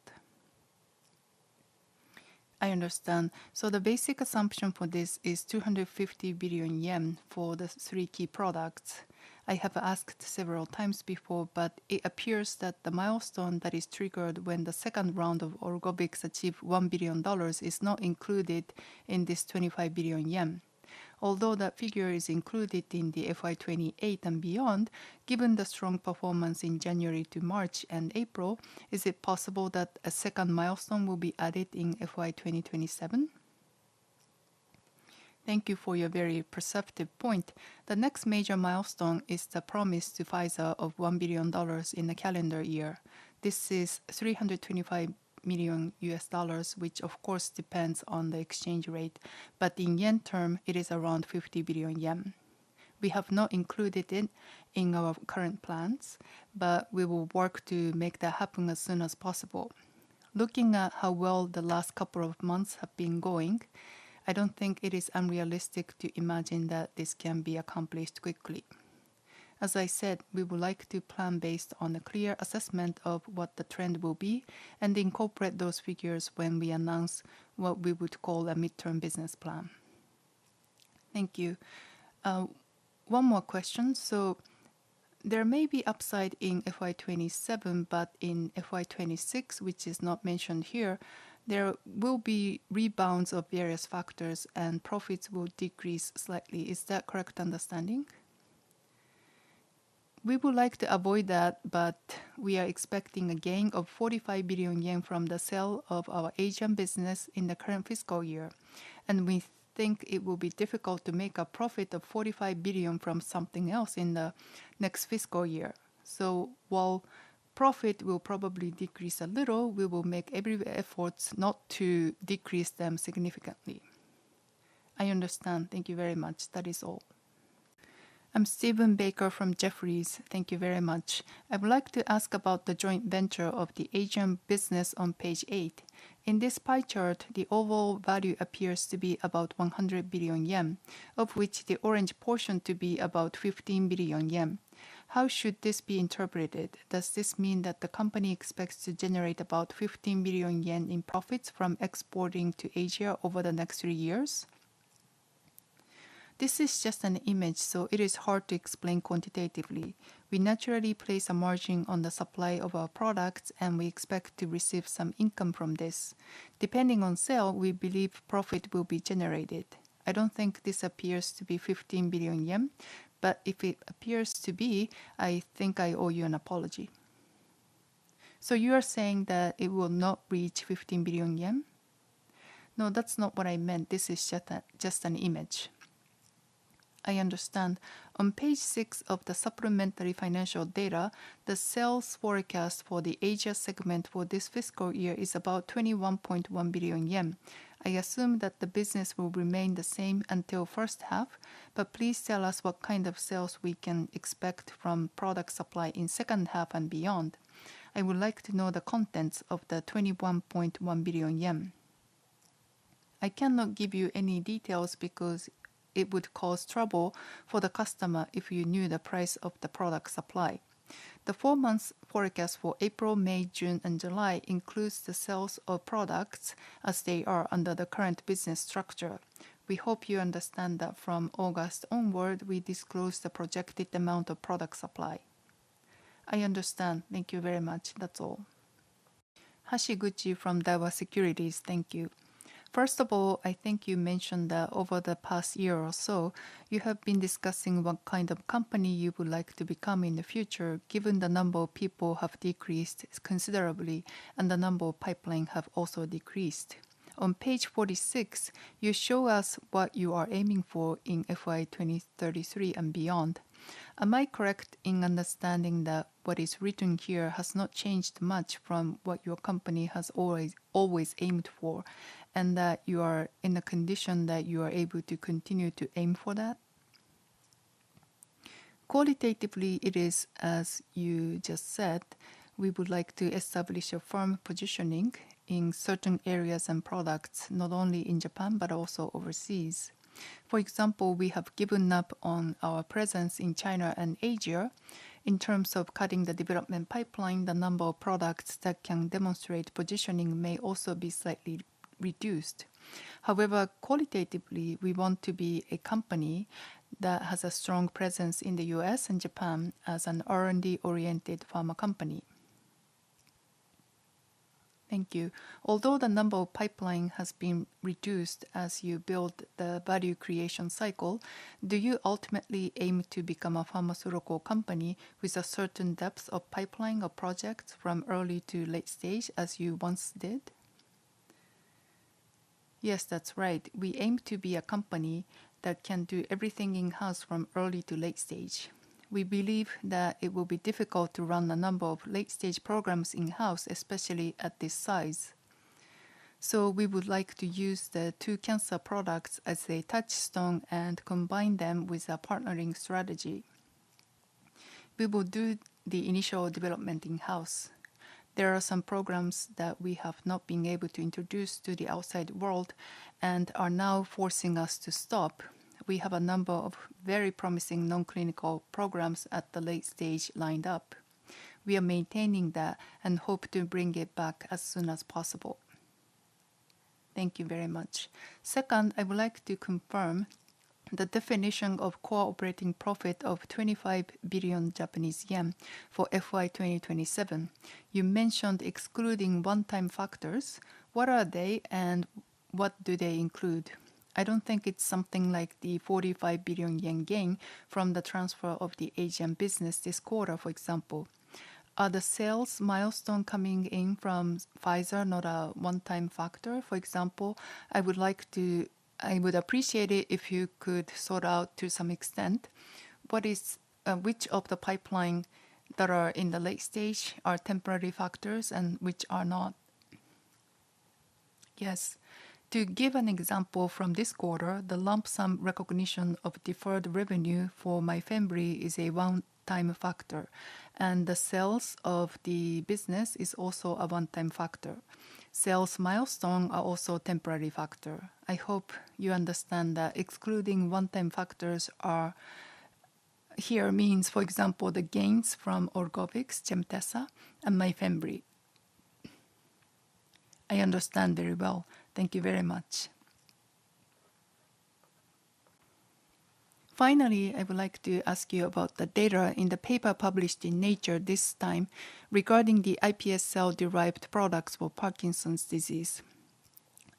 I understand. The basic assumption for this is 250 billion yen for the three key products. I have asked several times before, but it appears that the milestone that is triggered when the second round of ORGOVYX achieves $1 billion is not included in this 25 billion yen. Although that figure is included in the FY 2028 and beyond, given the strong performance in January to March and April, is it possible that a second milestone will be added in FY 2027? Thank you for your very perceptive point. The next major milestone is the promise to Pfizer of $1 billion in the calendar year. This is $325 million U.S. dollars, which of course depends on the exchange rate, but in yen terms, it is around 50 billion yen. We have not included it in our current plans, but we will work to make that happen as soon as possible. Looking at how well the last couple of months have been going, I do not think it is unrealistic to imagine that this can be accomplished quickly. As I said, we would like to plan based on a clear assessment of what the trend will be and incorporate those figures when we announce what we would call a midterm business plan. Thank you. One more question. There may be upside in FY 2027, but in FY 2026, which is not mentioned here, there will be rebounds of various factors and profits will decrease slightly. Is that correct understanding? We would like to avoid that, but we are expecting a gain of 45 billion yen from the sale of our Asian business in the current fiscal year. We think it will be difficult to make a profit of 45 billion from something else in the next fiscal year. While profit will probably decrease a little, we will make every effort not to decrease them significantly. I understand. Thank you very much. That is all. I'm Stephen Barker from Jefferies. Thank you very much. I would like to ask about the joint venture of the Asian business on page eight. In this pie chart, the overall value appears to be about 100 billion yen, of which the orange portion to be about 15 billion yen. How should this be interpreted? Does this mean that the company expects to generate about 15 billion yen in profits from exporting to Asia over the next three years? This is just an image, so it is hard to explain quantitatively. We naturally place a margin on the supply of our products, and we expect to receive some income from this. Depending on sale, we believe profit will be generated. I do not think this appears to be 15 billion yen, but if it appears to be, I think I owe you an apology. You are saying that it will not reach 15 billion yen? No, that is not what I meant. This is just an image. I understand. On page six of the supplementary financial data, the sales forecast for the Asia segment for this fiscal year is about 21.1 billion yen. I assume that the business will remain the same until first half, but please tell us what kind of sales we can expect from product supply in second half and beyond. I would like to know the contents of the 21.1 billion yen. I cannot give you any details because it would cause trouble for the customer if you knew the price of the product supply. The four-month forecast for April, May, June, and July includes the sales of products as they are under the current business structure. We hope you understand that from August onward, we disclose the projected amount of product supply. I understand. Thank you very much. That's all. Hashiguchi from Daiwa Securities. Thank you. First of all, I think you mentioned that over the past year or so, you have been discussing what kind of company you would like to become in the future, given the number of people have decreased considerably and the number of pipelines have also decreased. On page 46, you show us what you are aiming for in FY 2033 and beyond. Am I correct in understanding that what is written here has not changed much from what your company has always aimed for and that you are in a condition that you are able to continue to aim for that? Qualitatively, it is as you just said. We would like to establish a firm positioning in certain areas and products, not only in Japan but also overseas. For example, we have given up on our presence in China and Asia. In terms of cutting the development pipeline, the number of products that can demonstrate positioning may also be slightly reduced. However, qualitatively, we want to be a company that has a strong presence in the U.S. and Japan as an R&D-oriented pharma company. Thank you. Although the number of pipelines has been reduced as you build the Value Creation Cycle, do you ultimately aim to become a pharmaceutical company with a certain depth of pipeline or projects from early to late stage as you once did? Yes, that's right. We aim to be a company that can do everything in-house from early to late stage. We believe that it will be difficult to run the number of late-stage programs in-house, especially at this size. We would like to use the two cancer products as a touchstone and combine them with a partnering strategy. We will do the initial development in-house. There are some programs that we have not been able to introduce to the outside world and are now forcing us to stop. We have a number of very promising non-clinical programs at the late stage lined up. We are maintaining that and hope to bring it back as soon as possible. Thank you very much. Second, I would like to confirm the definition of core operating profit of 25 billion Japanese yen for FY 2027. You mentioned excluding one-time factors. What are they and what do they include? I do not think it is something like the 45 billion yen gain from the transfer of the Asian business this quarter, for example. Are the sales milestone coming in from Pfizer not a one-time factor? For example, I would appreciate it if you could sort out to some extent which of the pipelines that are in the late stage are temporary factors and which are not. Yes. To give an example from this quarter, the lump sum recognition of deferred revenue for MYFEMBREE is a one-time factor, and the sales of the business is also a one-time factor. Sales milestones are also temporary factors. I hope you understand that excluding one-time factors here means, for example, the gains from ORGOVYX, GEMTESA, and MYFEMBREE. I understand very well. Thank you very much. Finally, I would like to ask you about the data in the paper published in Nature this time regarding the iPS cell-derived products for Parkinson's disease.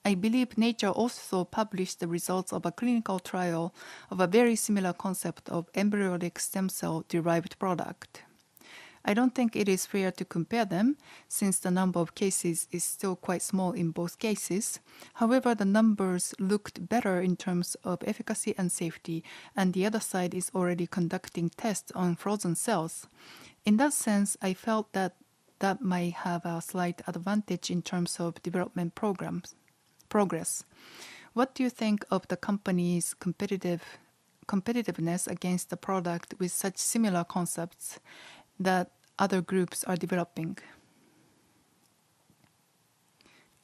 I believe Nature also published the results of a clinical trial of a very similar concept of embryonic stem cell-derived product. I don't think it is fair to compare them since the number of cases is still quite small in both cases. However, the numbers looked better in terms of efficacy and safety, and the other side is already conducting tests on frozen cells. In that sense, I felt that that might have a slight advantage in terms of development progress. What do you think of the company's competitiveness against the product with such similar concepts that other groups are developing?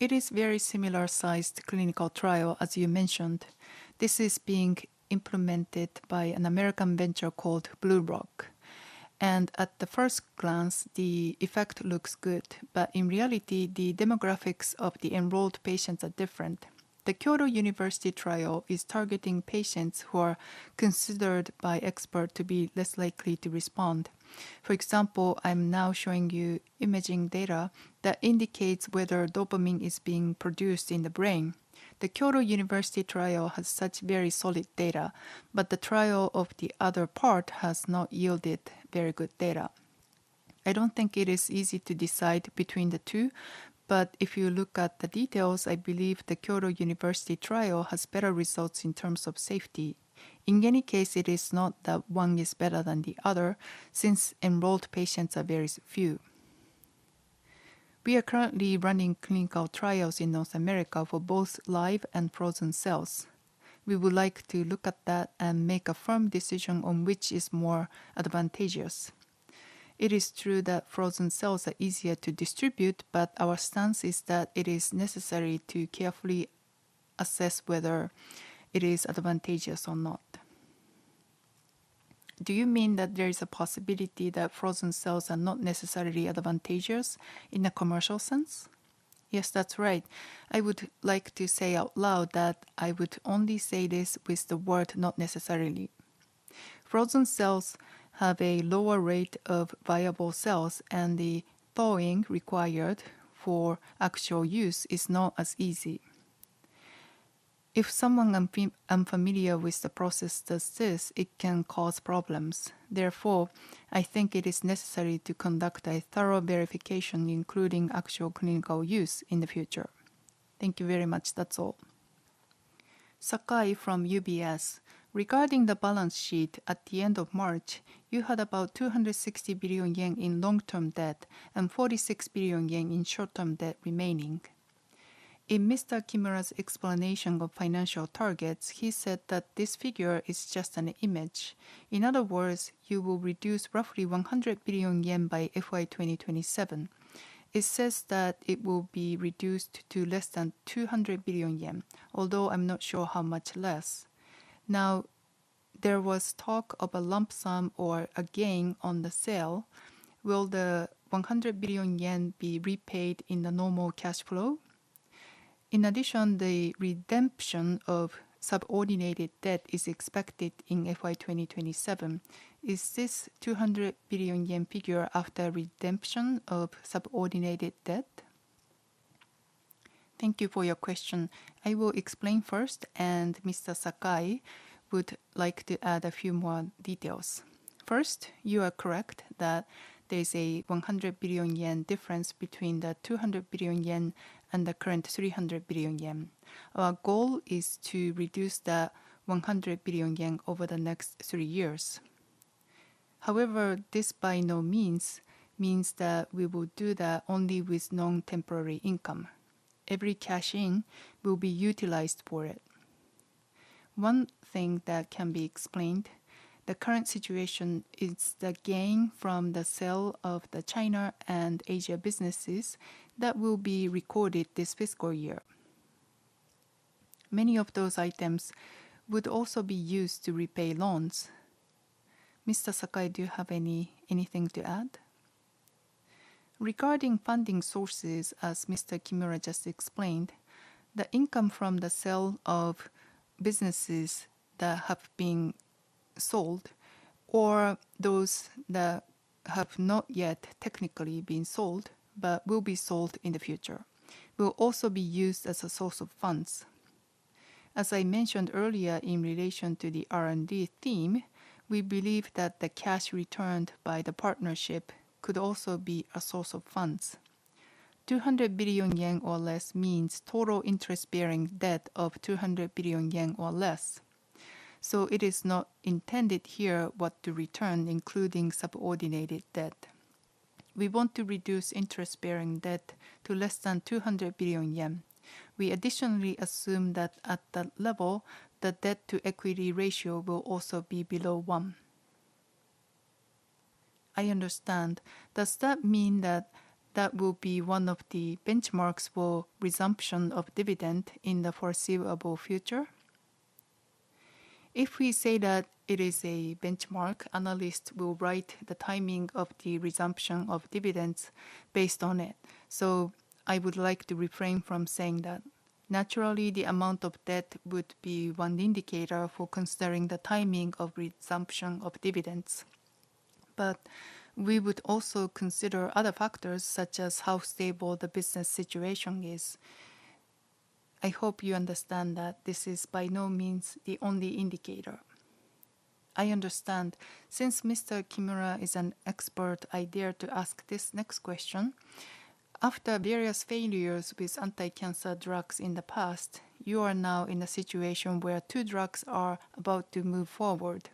It is a very similar-sized clinical trial, as you mentioned. This is being implemented by an American venture called BlueRock. At first glance, the effect looks good, but in reality, the demographics of the enrolled patients are different. The Kyoto University trial is targeting patients who are considered by experts to be less likely to respond. For example, I'm now showing you imaging data that indicates whether dopamine is being produced in the brain. The Kyoto University trial has such very solid data, but the trial of the other part has not yielded very good data. I don't think it is easy to decide between the two, but if you look at the details, I believe the Kyoto University trial has better results in terms of safety. In any case, it is not that one is better than the other since enrolled patients are very few. We are currently running clinical trials in North America for both live and frozen cells. We would like to look at that and make a firm decision on which is more advantageous. It is true that frozen cells are easier to distribute, but our stance is that it is necessary to carefully assess whether it is advantageous or not. Do you mean that there is a possibility that frozen cells are not necessarily advantageous in a commercial sense? Yes, that's right. I would like to say out loud that I would only say this with the word not necessarily. Frozen cells have a lower rate of viable cells, and the thawing required for actual use is not as easy. If someone is unfamiliar with the process such as this, it can cause problems. Therefore, I think it is necessary to conduct a thorough verification, including actual clinical use in the future. Thank you very much. That's all. Sakai from UBS. Regarding the balance sheet at the end of March, you had about 260 billion yen in long-term debt and 46 billion yen in short-term debt remaining. In Mr. Kimura's explanation of financial targets, he said that this figure is just an image. In other words, you will reduce roughly 100 billion yen by FY 2027. It says that it will be reduced to less than 200 billion yen, although I'm not sure how much less. Now, there was talk of a lump sum or a gain on the sale. Will the 100 billion yen be repaid in the normal cash flow? In addition, the redemption of subordinated debt is expected in FY 2027. Is this 200 billion yen figure after redemption of subordinated debt? Thank you for your question. I will explain first, and Mr. Sakai would like to add a few more details. First, you are correct that there is a 100 billion yen difference between the 200 billion yen and the current 300 billion yen. Our goal is to reduce the 100 billion yen over the next three years. However, this by no means means that we will do that only with non-temporary income. Every cash in will be utilized for it. One thing that can be explained: the current situation is the gain from the sale of the China and Asia businesses that will be recorded this fiscal year. Many of those items would also be used to repay loans. Mr. Sakai, do you have anything to add? Regarding funding sources, as Mr. Kimura just explained, the income from the sale of businesses that have been sold or those that have not yet technically been sold but will be sold in the future will also be used as a source of funds. As I mentioned earlier in relation to the R&D theme, we believe that the cash returned by the partnership could also be a source of funds. 200 billion yen or less means total interest-bearing debt of 200 billion yen or less. It is not intended here what to return, including subordinated debt. We want to reduce interest-bearing debt to less than 200 billion yen. We additionally assume that at that level, the debt-to-equity ratio will also be below one. I understand. Does that mean that that will be one of the benchmarks for resumption of dividend in the foreseeable future? If we say that it is a benchmark, analysts will write the timing of the resumption of dividends based on it. I would like to refrain from saying that. Naturally, the amount of debt would be one indicator for considering the timing of resumption of dividends. We would also consider other factors such as how stable the business situation is. I hope you understand that this is by no means the only indicator. I understand. Since Mr. Kimura is an expert, I dare to ask this next question. After various failures with anti-cancer drugs in the past, you are now in a situation where two drugs are about to move forward.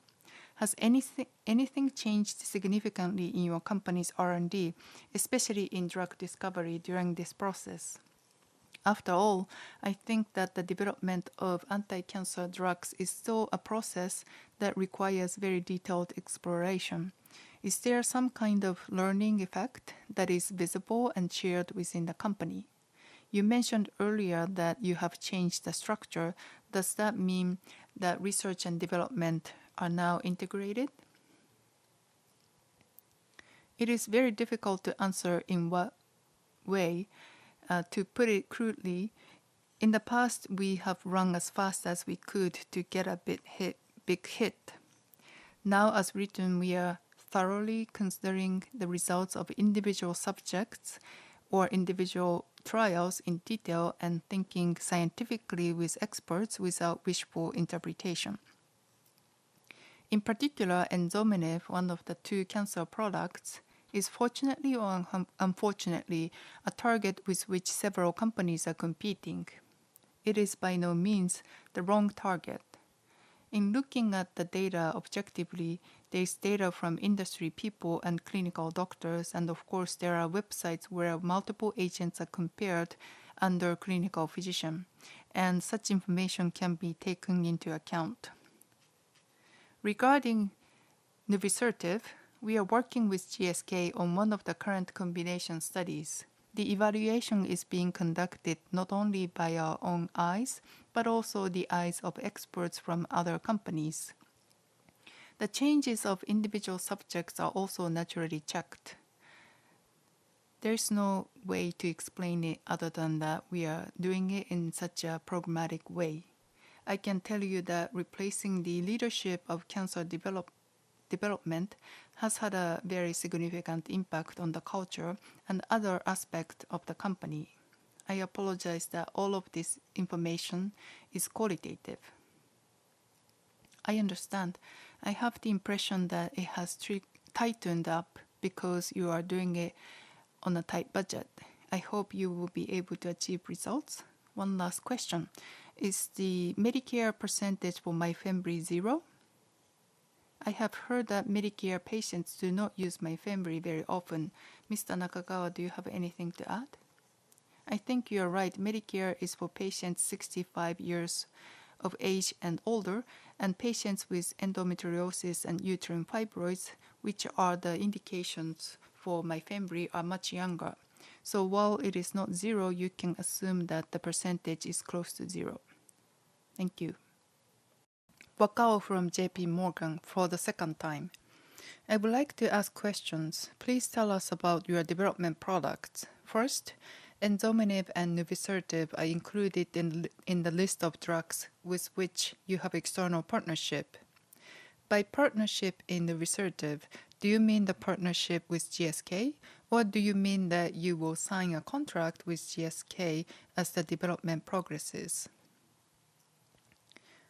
Has anything changed significantly in your company's R&D, especially in drug discovery during this process? After all, I think that the development of anti-cancer drugs is still a process that requires very detailed exploration. Is there some kind of learning effect that is visible and shared within the company? You mentioned earlier that you have changed the structure. Does that mean that research and development are now integrated? It is very difficult to answer in what way. To put it crudely, in the past, we have run as fast as we could to get a big hit. Now, as written, we are thoroughly considering the results of individual subjects or individual trials in detail and thinking scientifically with experts without wishful interpretation. In particular, Enzomenib, one of the two cancer products, is fortunately or unfortunately a target with which several companies are competing. It is by no means the wrong target. In looking at the data objectively, there is data from industry people and clinical doctors, and of course, there are websites where multiple agents are compared under clinical physician, and such information can be taken into account. Regarding Nuvisertib, we are working with GSK on one of the current combination studies. The evaluation is being conducted not only by our own eyes but also the eyes of experts from other companies. The changes of individual subjects are also naturally checked. There is no way to explain it other than that we are doing it in such a pragmatic way. I can tell you that replacing the leadership of cancer development has had a very significant impact on the culture and other aspects of the company. I apologize that all of this information is qualitative. I understand. I have the impression that it has tightened up because you are doing it on a tight budget. I hope you will be able to achieve results. One last question. Is the Medicare percentage for MYFEMBREE zero? I have heard that Medicare patients do not use MYFEMBREE very often. Mr. Nakagawa, do you have anything to add? I think you are right. Medicare is for patients 65 years of age and older, and patients with endometriosis and uterine fibroids, which are the indications for MYFEMBREE, are much younger. So while it is not zero, you can assume that the percentage is close to zero. Thank you. Wakao from JP Morgan for the second time. I would like to ask questions. Please tell us about your development products. First, Enzomenib and Nuvisertib are included in the list of drugs with which you have external partnership. By partnership in Nuvisertib, do you mean the partnership with GSK, or do you mean that you will sign a contract with GSK as the development progresses?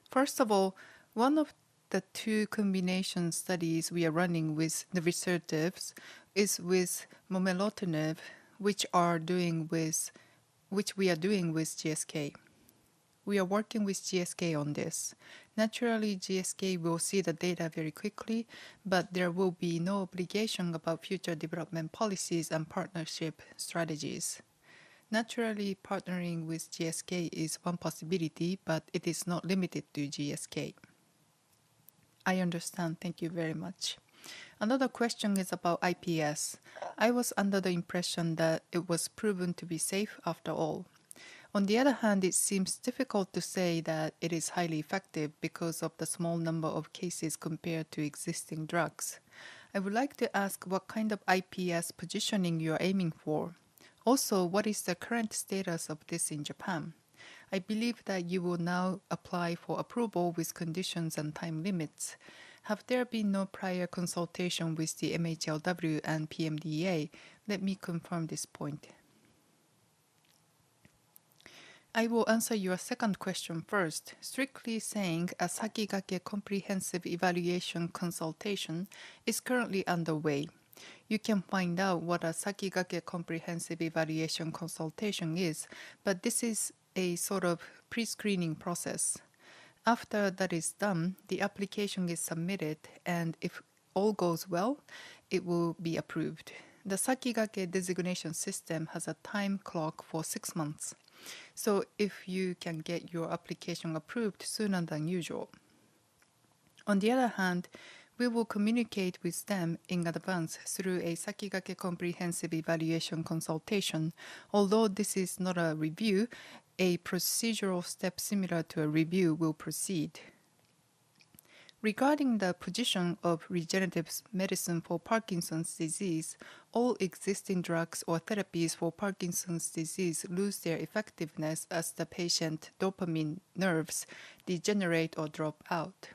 First of all, one of the two combination studies we are running with Nuvisertib is with Momelotinib, which we are doing with GSK. We are working with GSK on this. Naturally, GSK will see the data very quickly, but there will be no obligation about future development policies and partnership strategies. Naturally, partnering with GSK is one possibility, but it is not limited to GSK. I understand. Thank you very much. Another question is about iPS. I was under the impression that it was proven to be safe after all. On the other hand, it seems difficult to say that it is highly effective because of the small number of cases compared to existing drugs. I would like to ask what kind of iPS positioning you are aiming for. Also, what is the current status of this in Japan? I believe that you will now apply for approval with conditions and time limits. Have there been no prior consultation with the MHLW and PMDA? Let me confirm this point. I will answer your second question first. Strictly saying, a SAKIGAKE Comprehensive Evaluation Consultation is currently underway. You can find out what a SAKIGAKE Comprehensive Evaluation Consultation is, but this is a sort of pre-screening process. After that is done, the application is submitted, and if all goes well, it will be approved. The SAKIGAKE designation system has a time clock for six months. If you can get your application approved sooner than usual. On the other hand, we will communicate with them in advance through a SAKIGAKE Comprehensive Evaluation Consultation. Although this is not a review, a procedural step similar to a review will proceed. Regarding the position of regenerative medicine for Parkinson's disease, all existing drugs or therapies for Parkinson's disease lose their effectiveness as the patient's dopamine nerves degenerate or drop out.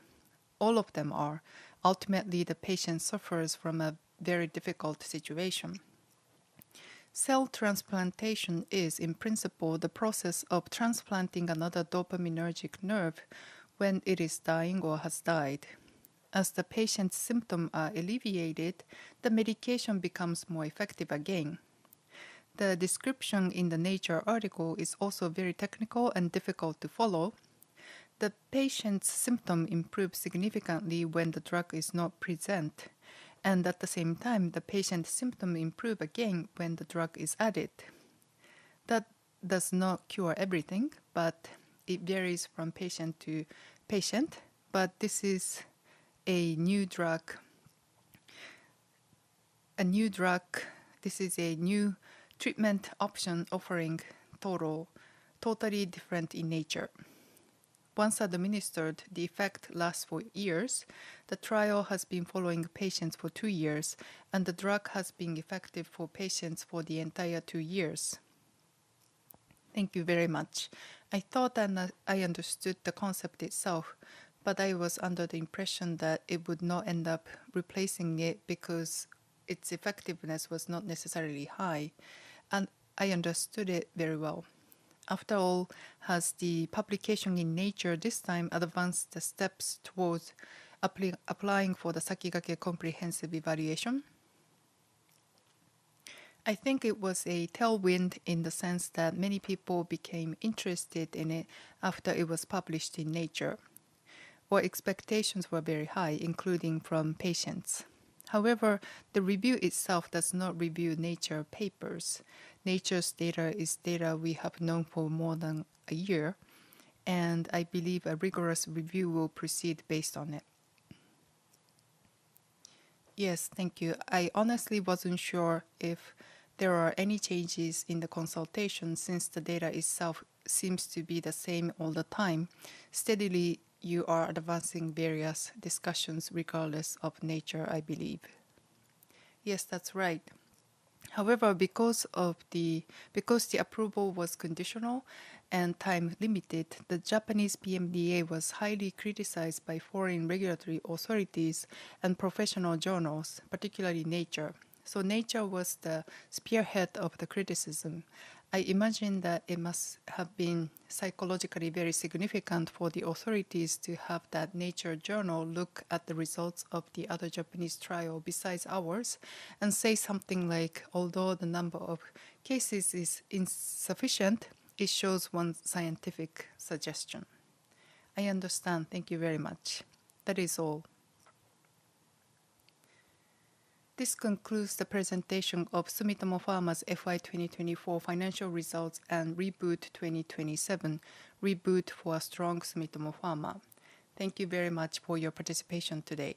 All of them are. Ultimately, the patient suffers from a very difficult situation. Cell transplantation is, in principle, the process of transplanting another dopaminergic nerve when it is dying or has died. As the patient's symptoms are alleviated, the medication becomes more effective again. The description in the Nature article is also very technical and difficult to follow. The patient's symptoms improve significantly when the drug is not present, and at the same time, the patient's symptoms improve again when the drug is added. That does not cure everything, but it varies from patient to patient. This is a new drug. This is a new treatment option offering totally different in nature. Once administered, the effect lasts for years. The trial has been following patients for two years, and the drug has been effective for patients for the entire two years. Thank you very much. I thought that I understood the concept itself, but I was under the impression that it would not end up replacing it because its effectiveness was not necessarily high. I understood it very well. After all, has the publication in Nature this time advanced the steps towards applying for the SAKIGAKE Comprehensive Evaluation? I think it was a tailwind in the sense that many people became interested in it after it was published in Nature. Our expectations were very high, including from patients. However, the review itself does not review Nature papers. Nature's data is data we have known for more than a year, and I believe a rigorous review will proceed based on it. Yes, thank you. I honestly wasn't sure if there are any changes in the consultation since the data itself seems to be the same all the time. Steadily, you are advancing various discussions regardless of Nature, I believe. Yes, that's right. However, because the approval was conditional and time-limited, the Japanese PMDA was highly criticized by foreign regulatory authorities and professional journals, particularly Nature. Nature was the spearhead of the criticism. I imagine that it must have been psychologically very significant for the authorities to have that Nature journal look at the results of the other Japanese trial besides ours and say something like, "Although the number of cases is insufficient, it shows one scientific suggestion." I understand. Thank you very much. That is all. This concludes the presentation of Sumitomo Pharma's FY 2024 financial results and Reboot 2027, Reboot for a Strong Sumitomo Pharma. Thank you very much for your participation today.